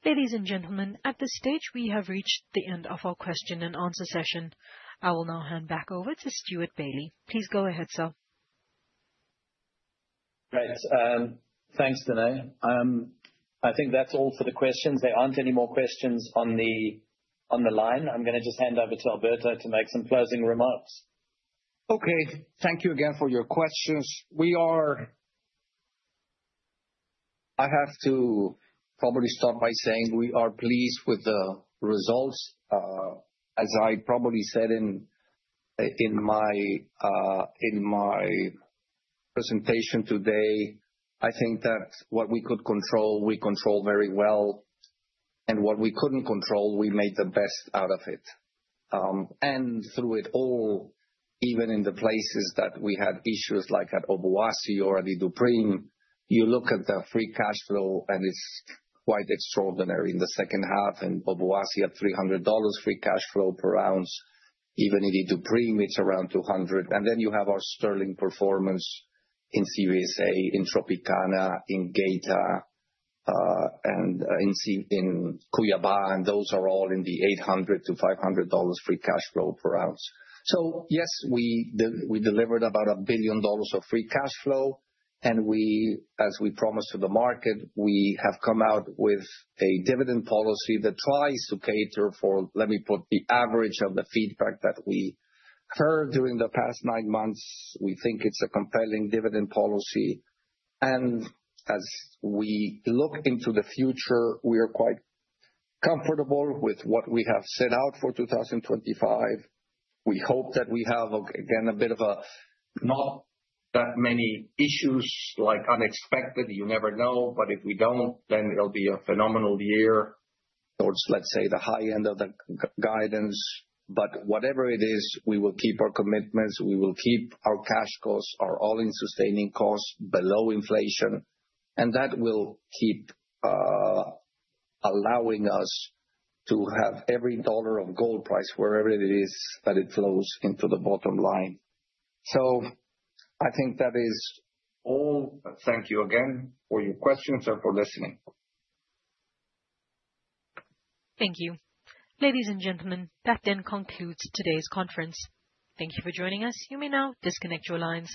Ladies and gentlemen, at this stage, we have reached the end of our question and answer session. I will now hand back over to Stewart Bailey. Please go ahead, sir. Great. Thanks, Danae. I think that's all for the questions. There aren't any more questions on the line. I'm going to just hand over to Alberto to make some closing remarks. Okay. Thank you again for your questions. I have to probably start by saying we are pleased with the results. As I probably said in my presentation today, I think that what we could control, we controlled very well. And what we couldn't control, we made the best out of it. And through it all, even in the places that we had issues like at Obuasi or at Iduapriem, you look at the free cash flow, and it's quite extraordinary in the second half. And Obuasi had $300 free cash flow per ounce. Even in Iduapriem, it's around $200. Then you have our sterling performance in CVSA, in Tropicana, in Geita, and in Cuiabá. Those are all in the $800-$500 free cash flow per ounce. So yes, we delivered about $1 billion of free cash flow. As we promised to the market, we have come out with a dividend policy that tries to cater for, let me put, the average of the feedback that we heard during the past nine months. We think it's a compelling dividend policy. As we look into the future, we are quite comfortable with what we have set out for 2025. We hope that we have, again, a bit of a not that many issues like unexpected. You never know. But if we don't, then it'll be a phenomenal year towards, let's say, the high end of the guidance. But whatever it is, we will keep our commitments. We will keep our cash costs, our all-in sustaining costs below inflation. And that will keep allowing us to have every dollar of gold price, wherever it is that it flows into the bottom line. So I think that is all. Thank you again for your questions and for listening. Thank you. Ladies and gentlemen, that then concludes today's conference. Thank you for joining us. You may now disconnect your lines.